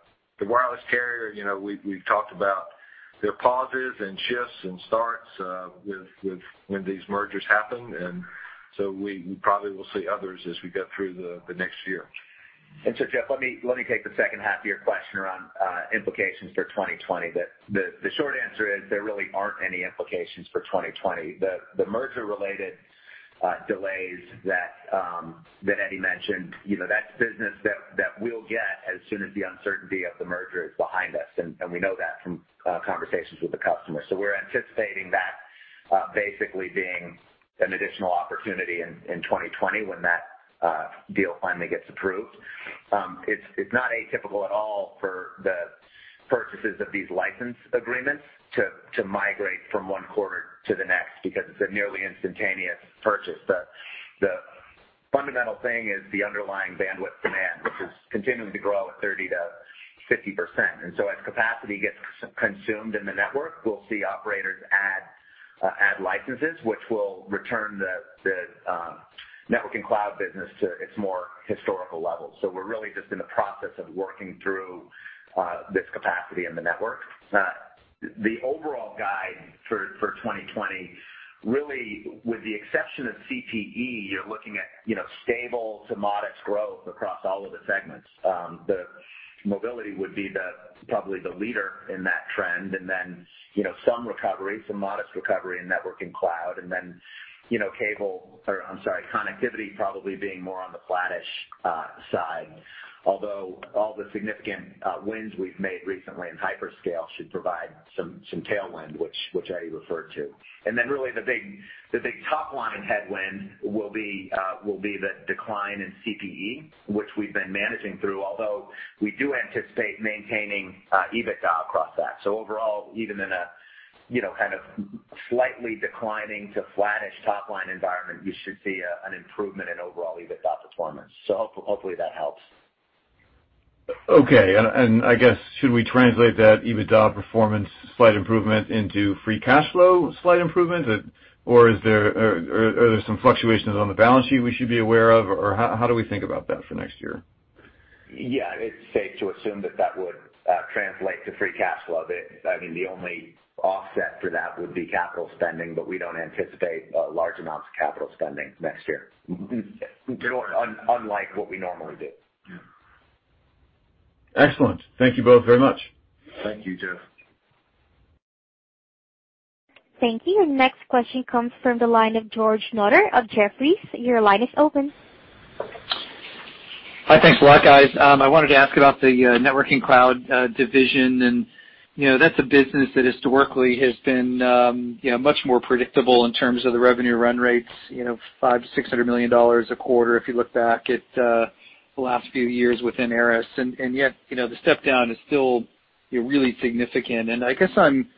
wireless carrier, we've talked about their pauses and shifts and starts when these mergers happen. We probably will see others as we get through the next year. Jeff, let me take the second half of your question around implications for 2020. The short answer is there really aren't any implications for 2020. The merger-related delays that Eddie mentioned, that's business that we'll get as soon as the uncertainty of the merger is behind us, and we know that from conversations with the customer. We're anticipating that basically being an additional opportunity in 2020 when that deal finally gets approved. It's not atypical at all for the purchases of these license agreements to migrate from one quarter to the next because it's a nearly instantaneous purchase. The fundamental thing is the underlying bandwidth demand, which is continuing to grow at 30%-50%. As capacity gets consumed in the network, we'll see operators add licenses which will return the network and cloud business to its more historical levels. We're really just in the process of working through this capacity in the network. The overall guide for 2020, really, with the exception of CPE, you're looking at stable to modest growth across all of the segments. The mobility would be probably the leader in that trend. Then some recovery, some modest recovery in network and cloud, and then connectivity probably being more on the flattish side. All the significant wins we've made recently in hyperscale should provide some tailwind, which Eddie referred to. Then really the big top-line headwind will be the decline in CPE, which we've been managing through, although we do anticipate maintaining EBITDA across that. Overall, even in a kind of slightly declining to flattish top-line environment, you should see an improvement in overall EBITDA performance. Hopefully that helps. Okay. I guess, should we translate that EBITDA performance slight improvement into free cash flow slight improvement? Are there some fluctuations on the balance sheet we should be aware of? How do we think about that for next year? It's safe to assume that that would translate to free cash flow. The only offset for that would be capital spending. We don't anticipate large amounts of capital spending next year, unlike what we normally do. Yeah. Excellent. Thank you both very much. Thank you, Jeff. Thank you. Next question comes from the line of George Notter of Jefferies. Your line is open. Hi. Thanks a lot, guys. I wanted to ask about the networking cloud division. That's a business that historically has been much more predictable in terms of the revenue run rates, $500 million-$600 million a quarter if you look back at the last few years within ARRIS. Yet the step-down is still really significant. I guess I'm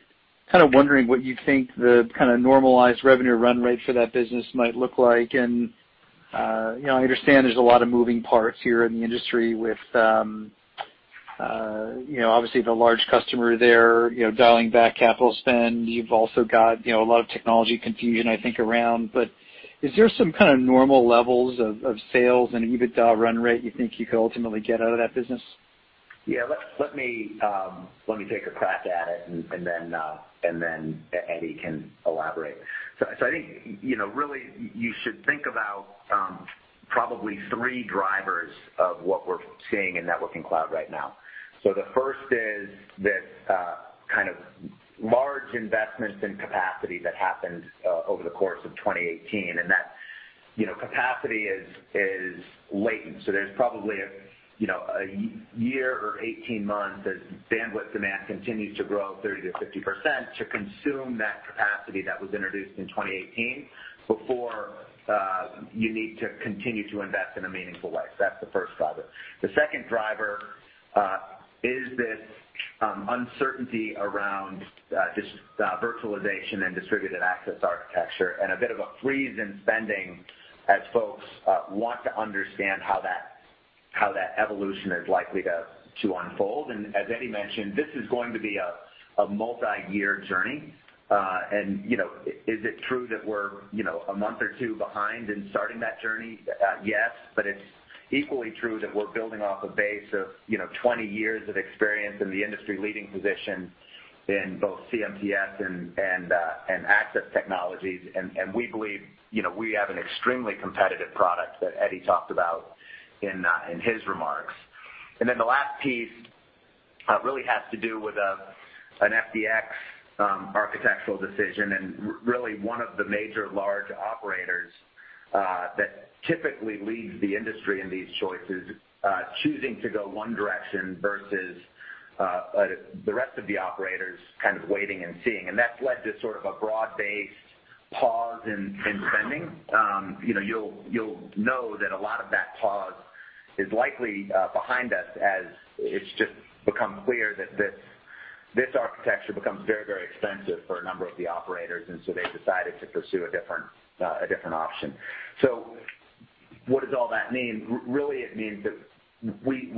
wondering what you think the normalized revenue run rate for that business might look like. I understand there's a lot of moving parts here in the industry with, obviously the large customer there, dialing back capital spend. You've also got, a lot of technology confusion, I think, around. Is there some kind of normal levels of sales and EBITDA run rate you think you could ultimately get out of that business? Yeah. Let me take a crack at it, and then Eddie can elaborate. I think, really, you should think about probably three drivers of what we're seeing in Networking Cloud right now. The first is this large investments in capacity that happened over the course of 2018, and that capacity is latent. There's probably a year or 18 months as bandwidth demand continues to grow 30%-50% to consume that capacity that was introduced in 2018 before you need to continue to invest in a meaningful way. That's the first driver. The second driver is this uncertainty around just virtualization and Distributed Access Architecture, and a bit of a freeze in spending as folks want to understand how that evolution is likely to unfold. As Eddie mentioned, this is going to be a multi-year journey. Is it true that we're a month or two behind in starting that journey? Yes. It's equally true that we're building off a base of 20 years of experience in the industry-leading position in both CMTS and access technologies. We believe we have an extremely competitive product that Eddie talked about in his remarks. The last piece really has to do with an FDX architectural decision, and really one of the major large operators that typically leads the industry in these choices, choosing to go one direction versus the rest of the operators kind of waiting and seeing. That's led to sort of a broad-based pause in spending. You'll know that a lot of that pause is likely behind us as it's just become clear that this architecture becomes very, very expensive for a number of the operators. They've decided to pursue a different option. What does all that mean? Really, It means that we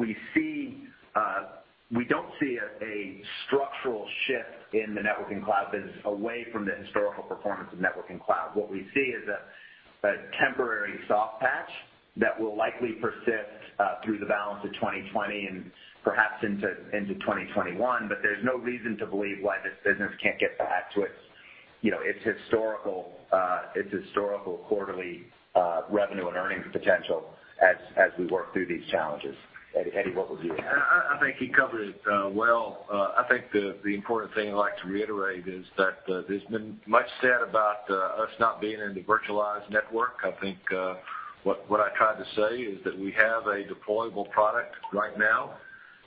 don't see a structural shift in the Networking Cloud business away from the historical performance of Networking Cloud. What we see is a temporary soft patch that will likely persist through the balance of 2020 and perhaps into 2021. There's no reason to believe why this business can't get back to its historical quarterly revenue and earnings potential as we work through these challenges. Eddie, what would you add? I think he covered it well. I think the important thing I'd like to reiterate is that there's been much said about us not being in the virtualized network. I think what I tried to say is that we have a deployable product right now.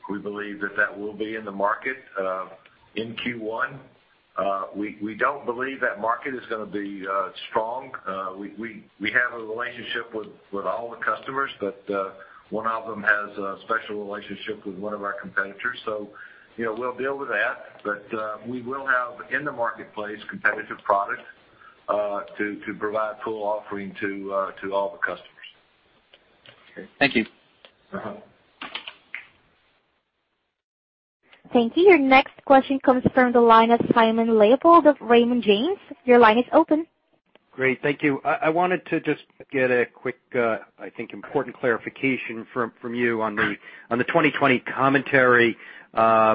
We believe that that will be in the market in Q1. We don't believe that market is going to be strong. We have a relationship with all the customers, but one of them has a special relationship with one of our competitors, so we'll deal with that. We will have, in the marketplace, competitive product to provide full offering to all the customers. Okay. Thank you. Thank you. Your next question comes from the line of Simon Leopold of Raymond James. Your line is open. Great. Thank you. I wanted to just get a quick, I think important clarification from you on the 2020 commentary. I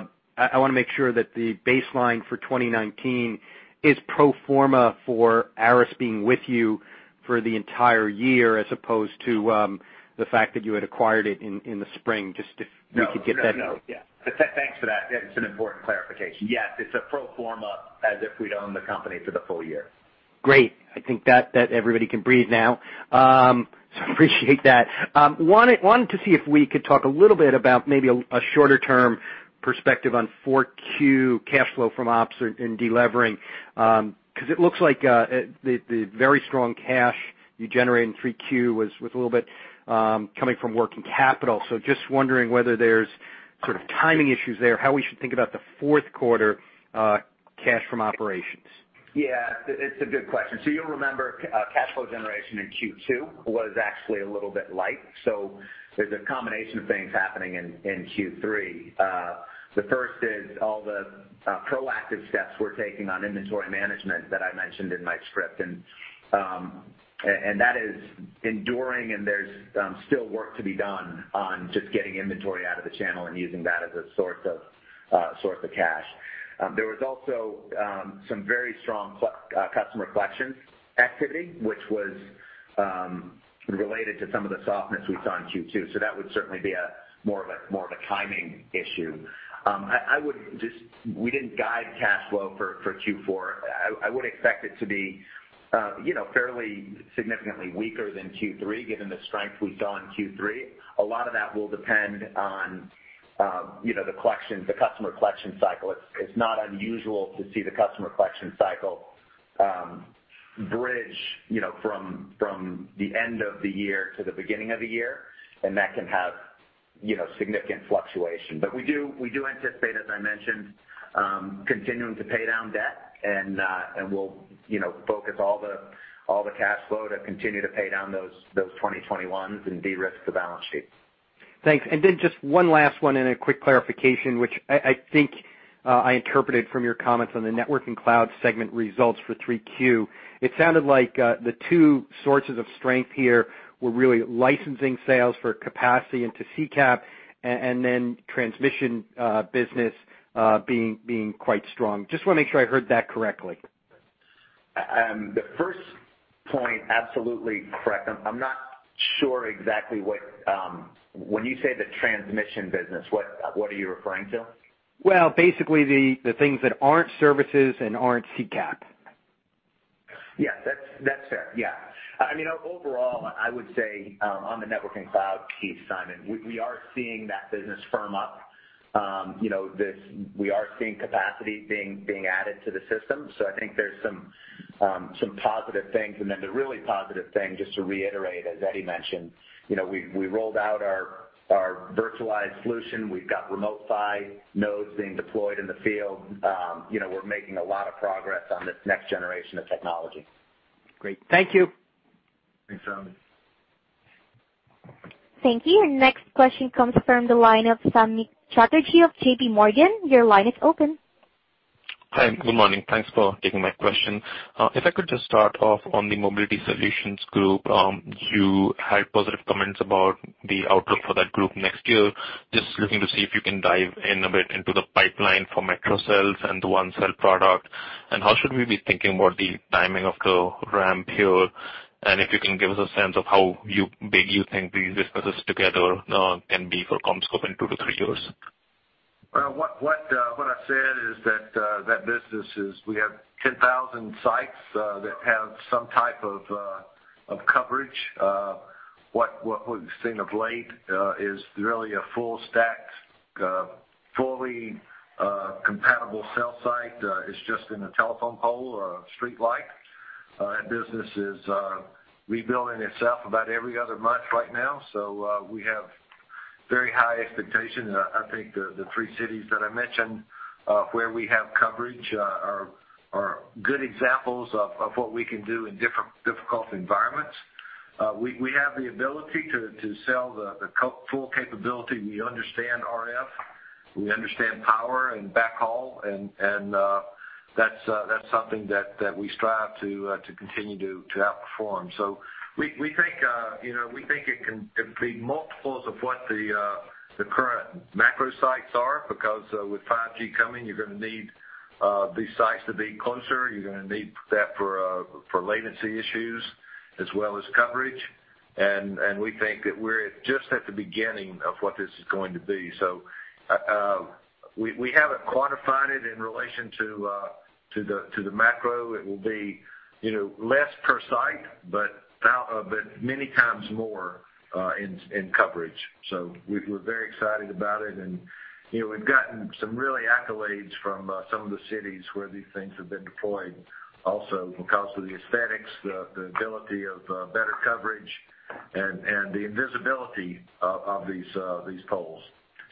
want to make sure that the baseline for 2019 is pro forma for ARRIS being with you for the entire year as opposed to the fact that you had acquired it in the spring, just if we could get that. No. Yeah. Thanks for that. It's an important clarification. Yes, it's a pro forma as if we'd owned the company for the full year. Great. I think that everybody can breathe now. Appreciate that. Wanted to see if we could talk a little bit about maybe a shorter-term perspective on 4Q cash flow from ops and de-levering. It looks like the very strong cash you generate in 3Q was with a little bit coming from working capital. Just wondering whether there's sort of timing issues there, how we should think about the fourth quarter cash from operations. Yeah. It's a good question. You'll remember, cash flow generation in Q2 was actually a little bit light. There's a combination of things happening in Q3. The first is all the proactive steps we're taking on inventory management that I mentioned in my script. That is enduring, and there's still work to be done on just getting inventory out of the channel and using that as a source of cash. There was also some very strong customer collections activity, which was related to some of the softness we saw in Q2. That would certainly be more of a timing issue. We didn't guide cash flow for Q4. I would expect it to be fairly significantly weaker than Q3, given the strength we saw in Q3. A lot of that will depend on the customer collection cycle. It's not unusual to see the customer collection cycle bridge from the end of the year to the beginning of the year, and that can have significant fluctuation. We do anticipate, as I mentioned, continuing to pay down debt and we'll focus all the cash flow to continue to pay down those 2021s and de-risk the balance sheet. Thanks. Just one last one and a quick clarification, which I think I interpreted from your comments on the networking cloud segment results for 3Q. It sounded like the two sources of strength here were really licensing sales for capacity into CCAP and then transmission business being quite strong. Just want to make sure I heard that correctly. The first point, absolutely correct. I'm not sure exactly when you say the transmission business, what are you referring to? Well, basically, the things that aren't services and aren't CCAP. That's fair. Overall, I would say, on the networking cloud piece, Simon, we are seeing that business firm up. We are seeing capacity being added to the system. I think there's some positive things. The really positive thing, just to reiterate, as Eddie mentioned, we rolled out our virtualized solution. We've got Remote PHY nodes being deployed in the field. We're making a lot of progress on this next generation of technology. Great. Thank you. Thanks, Simon. Thank you. Your next question comes from the line of Samik Chatterjee of J.P. Morgan. Your line is open. Hi, good morning. Thanks for taking my question. If I could just start off on the Mobility Solutions Group. You had positive comments about the outlook for that group next year. Just looking to see if you can dive in a bit into the pipeline for macro cells and the ONECELL product, and how should we be thinking about the timing of the ramp here, and if you can give us a sense of how big you think these businesses together can be for CommScope in two to three years. What I said is that business is, we have 10,000 sites that have some type of coverage. What we've seen of late is really a full stack, fully compatible cell site is just in a telephone pole or a streetlight. That business is rebuilding itself about every other month right now. We have very high expectations, and I think the three cities that I mentioned, where we have coverage, are good examples of what we can do in difficult environments. We have the ability to sell the full capability. We understand RF, we understand power and backhaul, and that's something that we strive to continue to outperform. We think it can be multiples of what the current macro sites are, because with 5G coming, you're going to need these sites to be closer. You're going to need that for latency issues as well as coverage, and we think that we're just at the beginning of what this is going to be. We haven't quantified it in relation to the macro. It will be less per site, but many times more in coverage. We're very excited about it, and we've gotten some really accolades from some of the cities where these things have been deployed, also because of the aesthetics, the ability of better coverage, and the invisibility of these poles.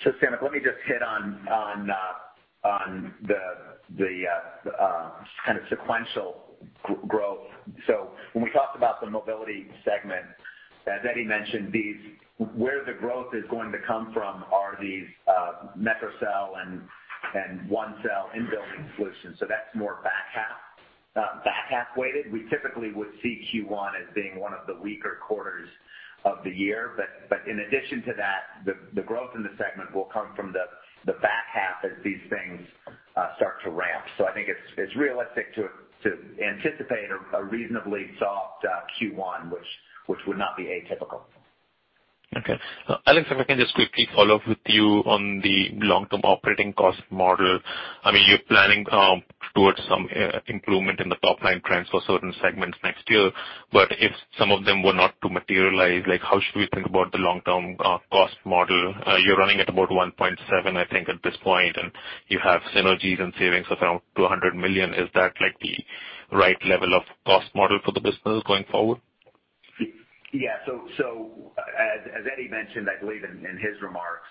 Samik, let me just hit on the sequential growth. When we talked about the mobility segment, as Eddie mentioned, where the growth is going to come from are these macro cell and ONECELL in-building solutions. That's more back half-weighted. We typically would see Q1 as being one of the weaker quarters of the year. In addition to that, the growth in the segment will come from the back half as these things start to ramp. I think it's realistic to anticipate a reasonably soft Q1, which would not be atypical. Okay. Alex, if I can just quickly follow up with you on the long-term operating cost model. You're planning towards some improvement in the top-line trends for certain segments next year, but if some of them were not to materialize, how should we think about the long-term cost model? You're running at about 1.7, I think, at this point, and you have synergies and savings of around $200 million. Is that the right level of cost model for the business going forward? As Eddie mentioned, I believe, in his remarks,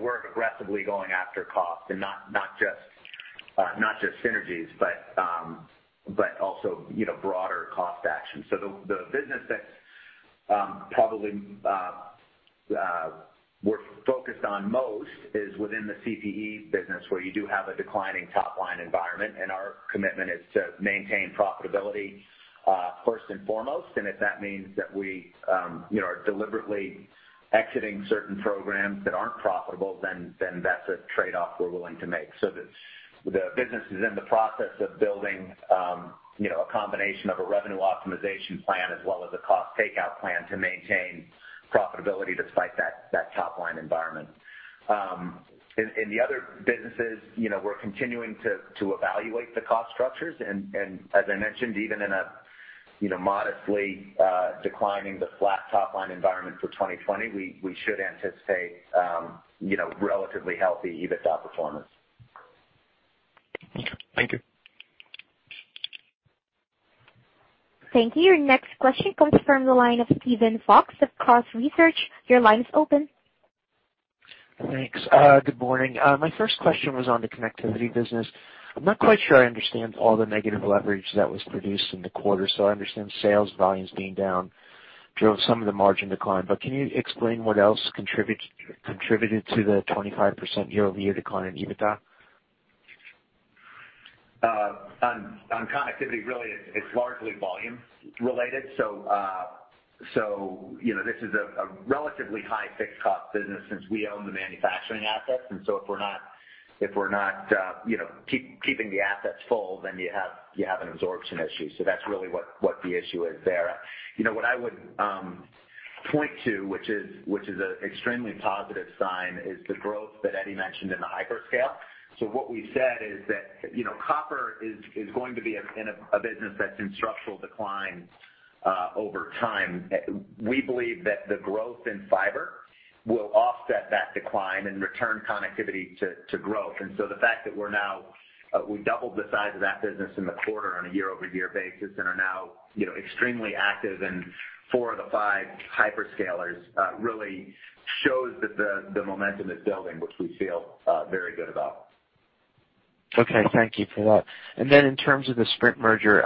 we're aggressively going after cost and not just synergies, but also broader cost action. The business that probably we're focused on most is within the CPE business, where you do have a declining top-line environment, and our commitment is to maintain profitability first and foremost. If that means that we are deliberately exiting certain programs that aren't profitable, that's a trade-off we're willing to make. The business is in the process of building a combination of a revenue optimization plan as well as a cost takeout plan to maintain profitability despite that top-line environment. In the other businesses, we're continuing to evaluate the cost structures, as I mentioned, even in a modestly declining to flat top-line environment for 2020, we should anticipate relatively healthy EBITDA performance. Thank you. Thank you. Your next question comes from the line of Steven Fox of Cross Research. Your line is open. Thanks. Good morning. My first question was on the connectivity business. I'm not quite sure I understand all the negative leverage that was produced in the quarter, so I understand sales volumes being down drove some of the margin decline. Can you explain what else contributed to the 25% year-over-year decline in EBITDA? On connectivity, really, it's largely volume related. This is a relatively high fixed cost business since we own the manufacturing assets. If we're not keeping the assets full, then you have an absorption issue. That's really what the issue is there. What I would point to, which is an extremely positive sign, is the growth that Eddie mentioned in the hyperscale. What we've said is that copper is going to be in a business that's in structural decline over time. We believe that the growth in fiber will offset that decline and return connectivity to growth. The fact that we doubled the size of that business in the quarter on a year-over-year basis and are now extremely active in four of the five hyperscalers, really shows that the momentum is building, which we feel very good about. Okay. Thank you for that. In terms of the Sprint merger,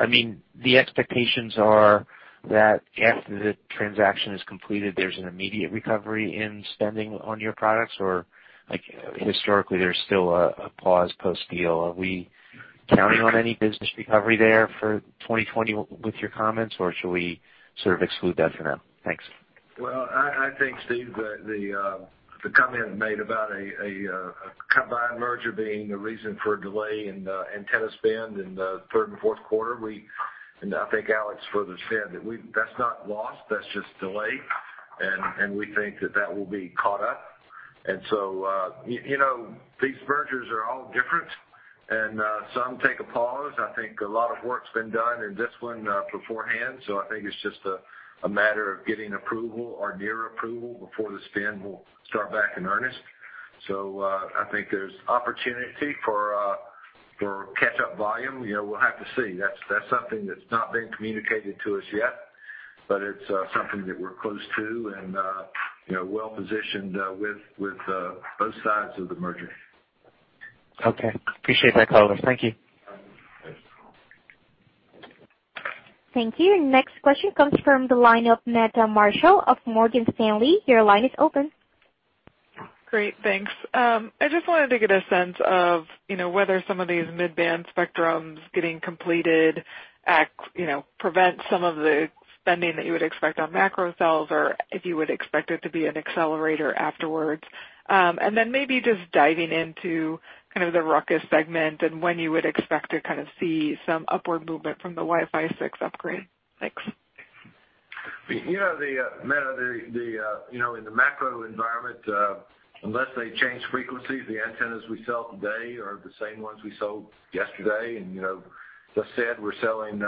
the expectations are that after the transaction is completed, there's an immediate recovery in spending on your products, or historically, there's still a pause post-deal. Are we counting on any business recovery there for 2020 with your comments, or should we sort of exclude that for now? Thanks. I think, Steve, the comment made about a combined merger being the reason for a delay in the antenna spend in the third and fourth quarter, I think Alex further said, that's not lost, that's just delayed. We think that that will be caught up. These mergers are all different and some take a pause. I think a lot of work's been done in this one beforehand. I think it's just a matter of getting approval or near approval before the spend will start back in earnest. I think there's opportunity for catch-up volume. We'll have to see. That's something that's not been communicated to us yet, but it's something that we're close to and well-positioned with both sides of the merger. Okay. Appreciate that color. Thank you. Thank you. Next question comes from the line of Meta Marshall of Morgan Stanley. Your line is open. Great. Thanks. I just wanted to get a sense of whether some of these mid-band spectrums getting completed prevent some of the spending that you would expect on macro cells, or if you would expect it to be an accelerator afterwards. Then maybe just diving into kind of the RUCKUS segment and when you would expect to kind of see some upward movement from the Wi-Fi 6 upgrade. Thanks. Meta, in the macro environment, unless they change frequencies, the antennas we sell today are the same ones we sold yesterday. As I said, we're selling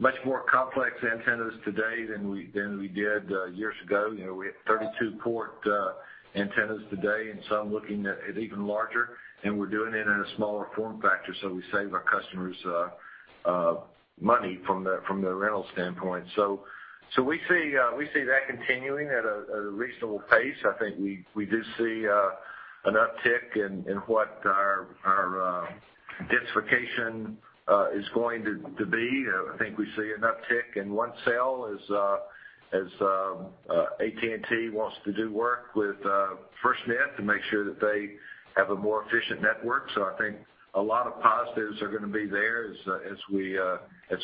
much more complex antennas today than we did years ago. We have 32 port antennas today, and some looking at even larger, and we're doing it in a smaller form factor, so we save our customers money from the rental standpoint. We see that continuing at a reasonable pace. I think we do see an uptick in what our densification is going to be. I think we see an uptick in ONECELL as AT&T wants to do work with FirstNet to make sure that they have a more efficient network. I think a lot of positives are going to be there as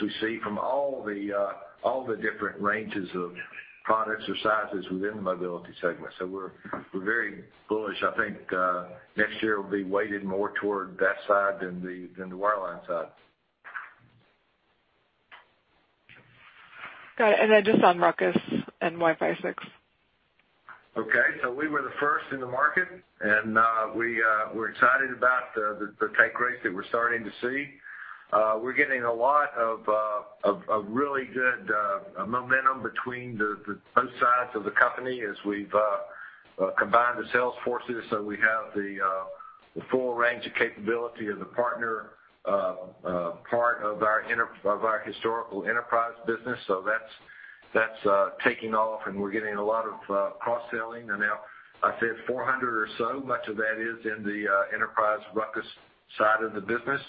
we see from all the different ranges of products or sizes within the mobility segment. We're very bullish. I think next year will be weighted more toward that side than the wireline side. Got it. Just on RUCKUS and Wi-Fi 6. We were the first in the market, and we're excited about the take rates that we're starting to see. We're getting a lot of really good momentum between both sides of the company as we've combined the sales forces, so we have the full range of capability as a partner part of our historical enterprise business. That's taking off and we're getting a lot of cross-selling. Now I said 400 or so, much of that is in the enterprise RUCKUS side of the business.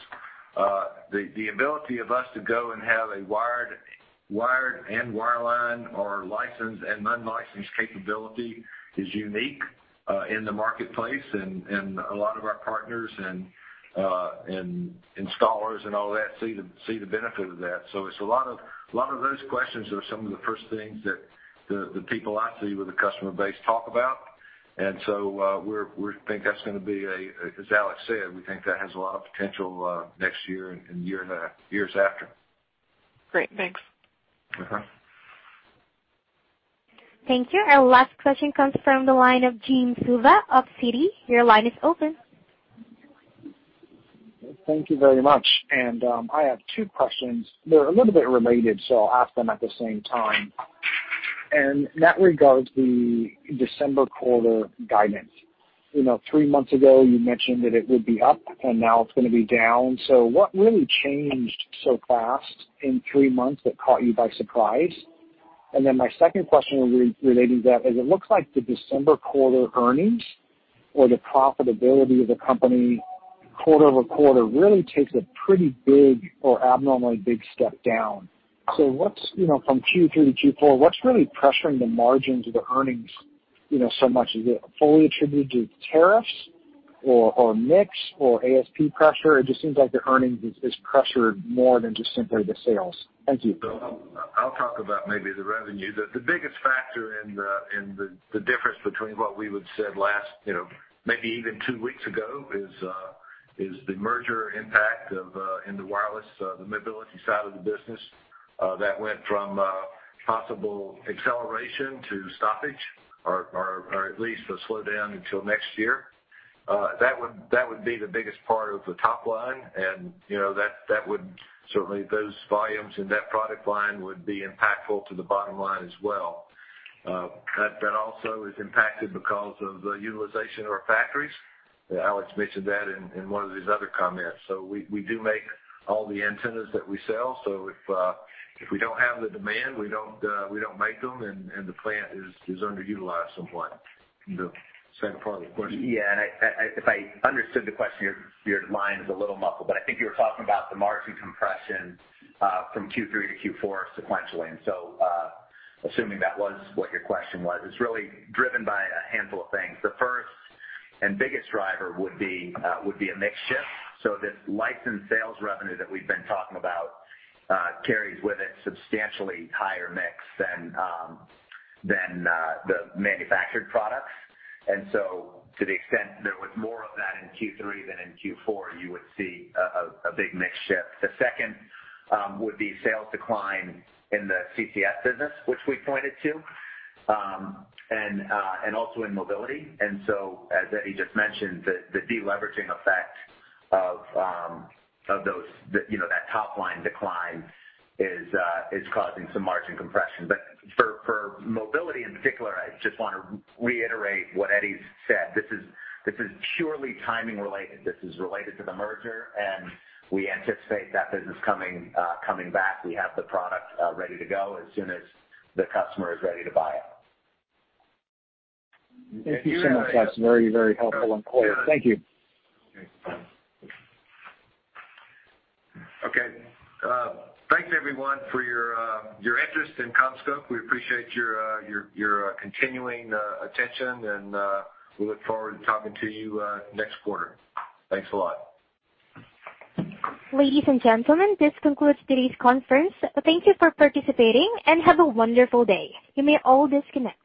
The ability of us to go and have a wired and wireline or licensed and unlicensed capability is unique in the marketplace, and a lot of our partners and installers and all that see the benefit of that. A lot of those questions are some of the first things that the people I see with the customer base talk about. As Alex said, we think that has a lot of potential next year and years after. Great. Thanks. Thank you. Our last question comes from the line of Gene Silva of Citi. Your line is open. Thank you very much. I have two questions. They're a little bit related, so I'll ask them at the same time. In that regards, the December quarter guidance. Three months ago you mentioned that it would be up and now it's going to be down. What really changed so fast in three months that caught you by surprise? My second question relating to that is, it looks like the December quarter earnings or the profitability of the company quarter-over-quarter really takes a pretty big or abnormally big step down. From Q3 to Q4, what's really pressuring the margins or the earnings so much? Is it fully attributed to tariffs or mix or ASP pressure? It just seems like the earnings is pressured more than just simply the sales. Thank you. Bill, I'll talk about maybe the revenue. The biggest factor in the difference between what we would've said last, maybe even two weeks ago, is the merger impact in the wireless, the mobility side of the business, that went from possible acceleration to stoppage or at least a slowdown until next year. That would be the biggest part of the top line, and certainly those volumes in that product line would be impactful to the bottom line as well. That also is impacted because of the utilization of our factories. Alex mentioned that in one of his other comments. We do make all the antennas that we sell, so if we don't have the demand, we don't make them, and the plant is underutilized somewhat. The second part of the question? If I understood the question, your line is a little muffled, but I think you were talking about the margin compression from Q3 to Q4 sequentially. Assuming that was what your question was, it's really driven by a handful of things. The first and biggest driver would be a mix shift. This license sales revenue that we've been talking about carries with it substantially higher mix than the manufactured products. To the extent there was more of that in Q3 than in Q4, you would see a big mix shift. The second would be sales decline in the CCS business, which we pointed to, and also in mobility. As Eddie just mentioned, the de-leveraging effect of that top-line decline is causing some margin compression. For mobility in particular, I just want to reiterate what Eddie said. This is purely timing related. This is related to the merger, and we anticipate that business coming back. We have the product ready to go as soon as the customer is ready to buy it. Thank you so much. That is very helpful and clear. Thank you. Okay. Thanks, everyone, for your interest in CommScope. We appreciate your continuing attention, and we look forward to talking to you next quarter. Thanks a lot. Ladies and gentlemen, this concludes today's conference. Thank you for participating and have a wonderful day. You may all disconnect.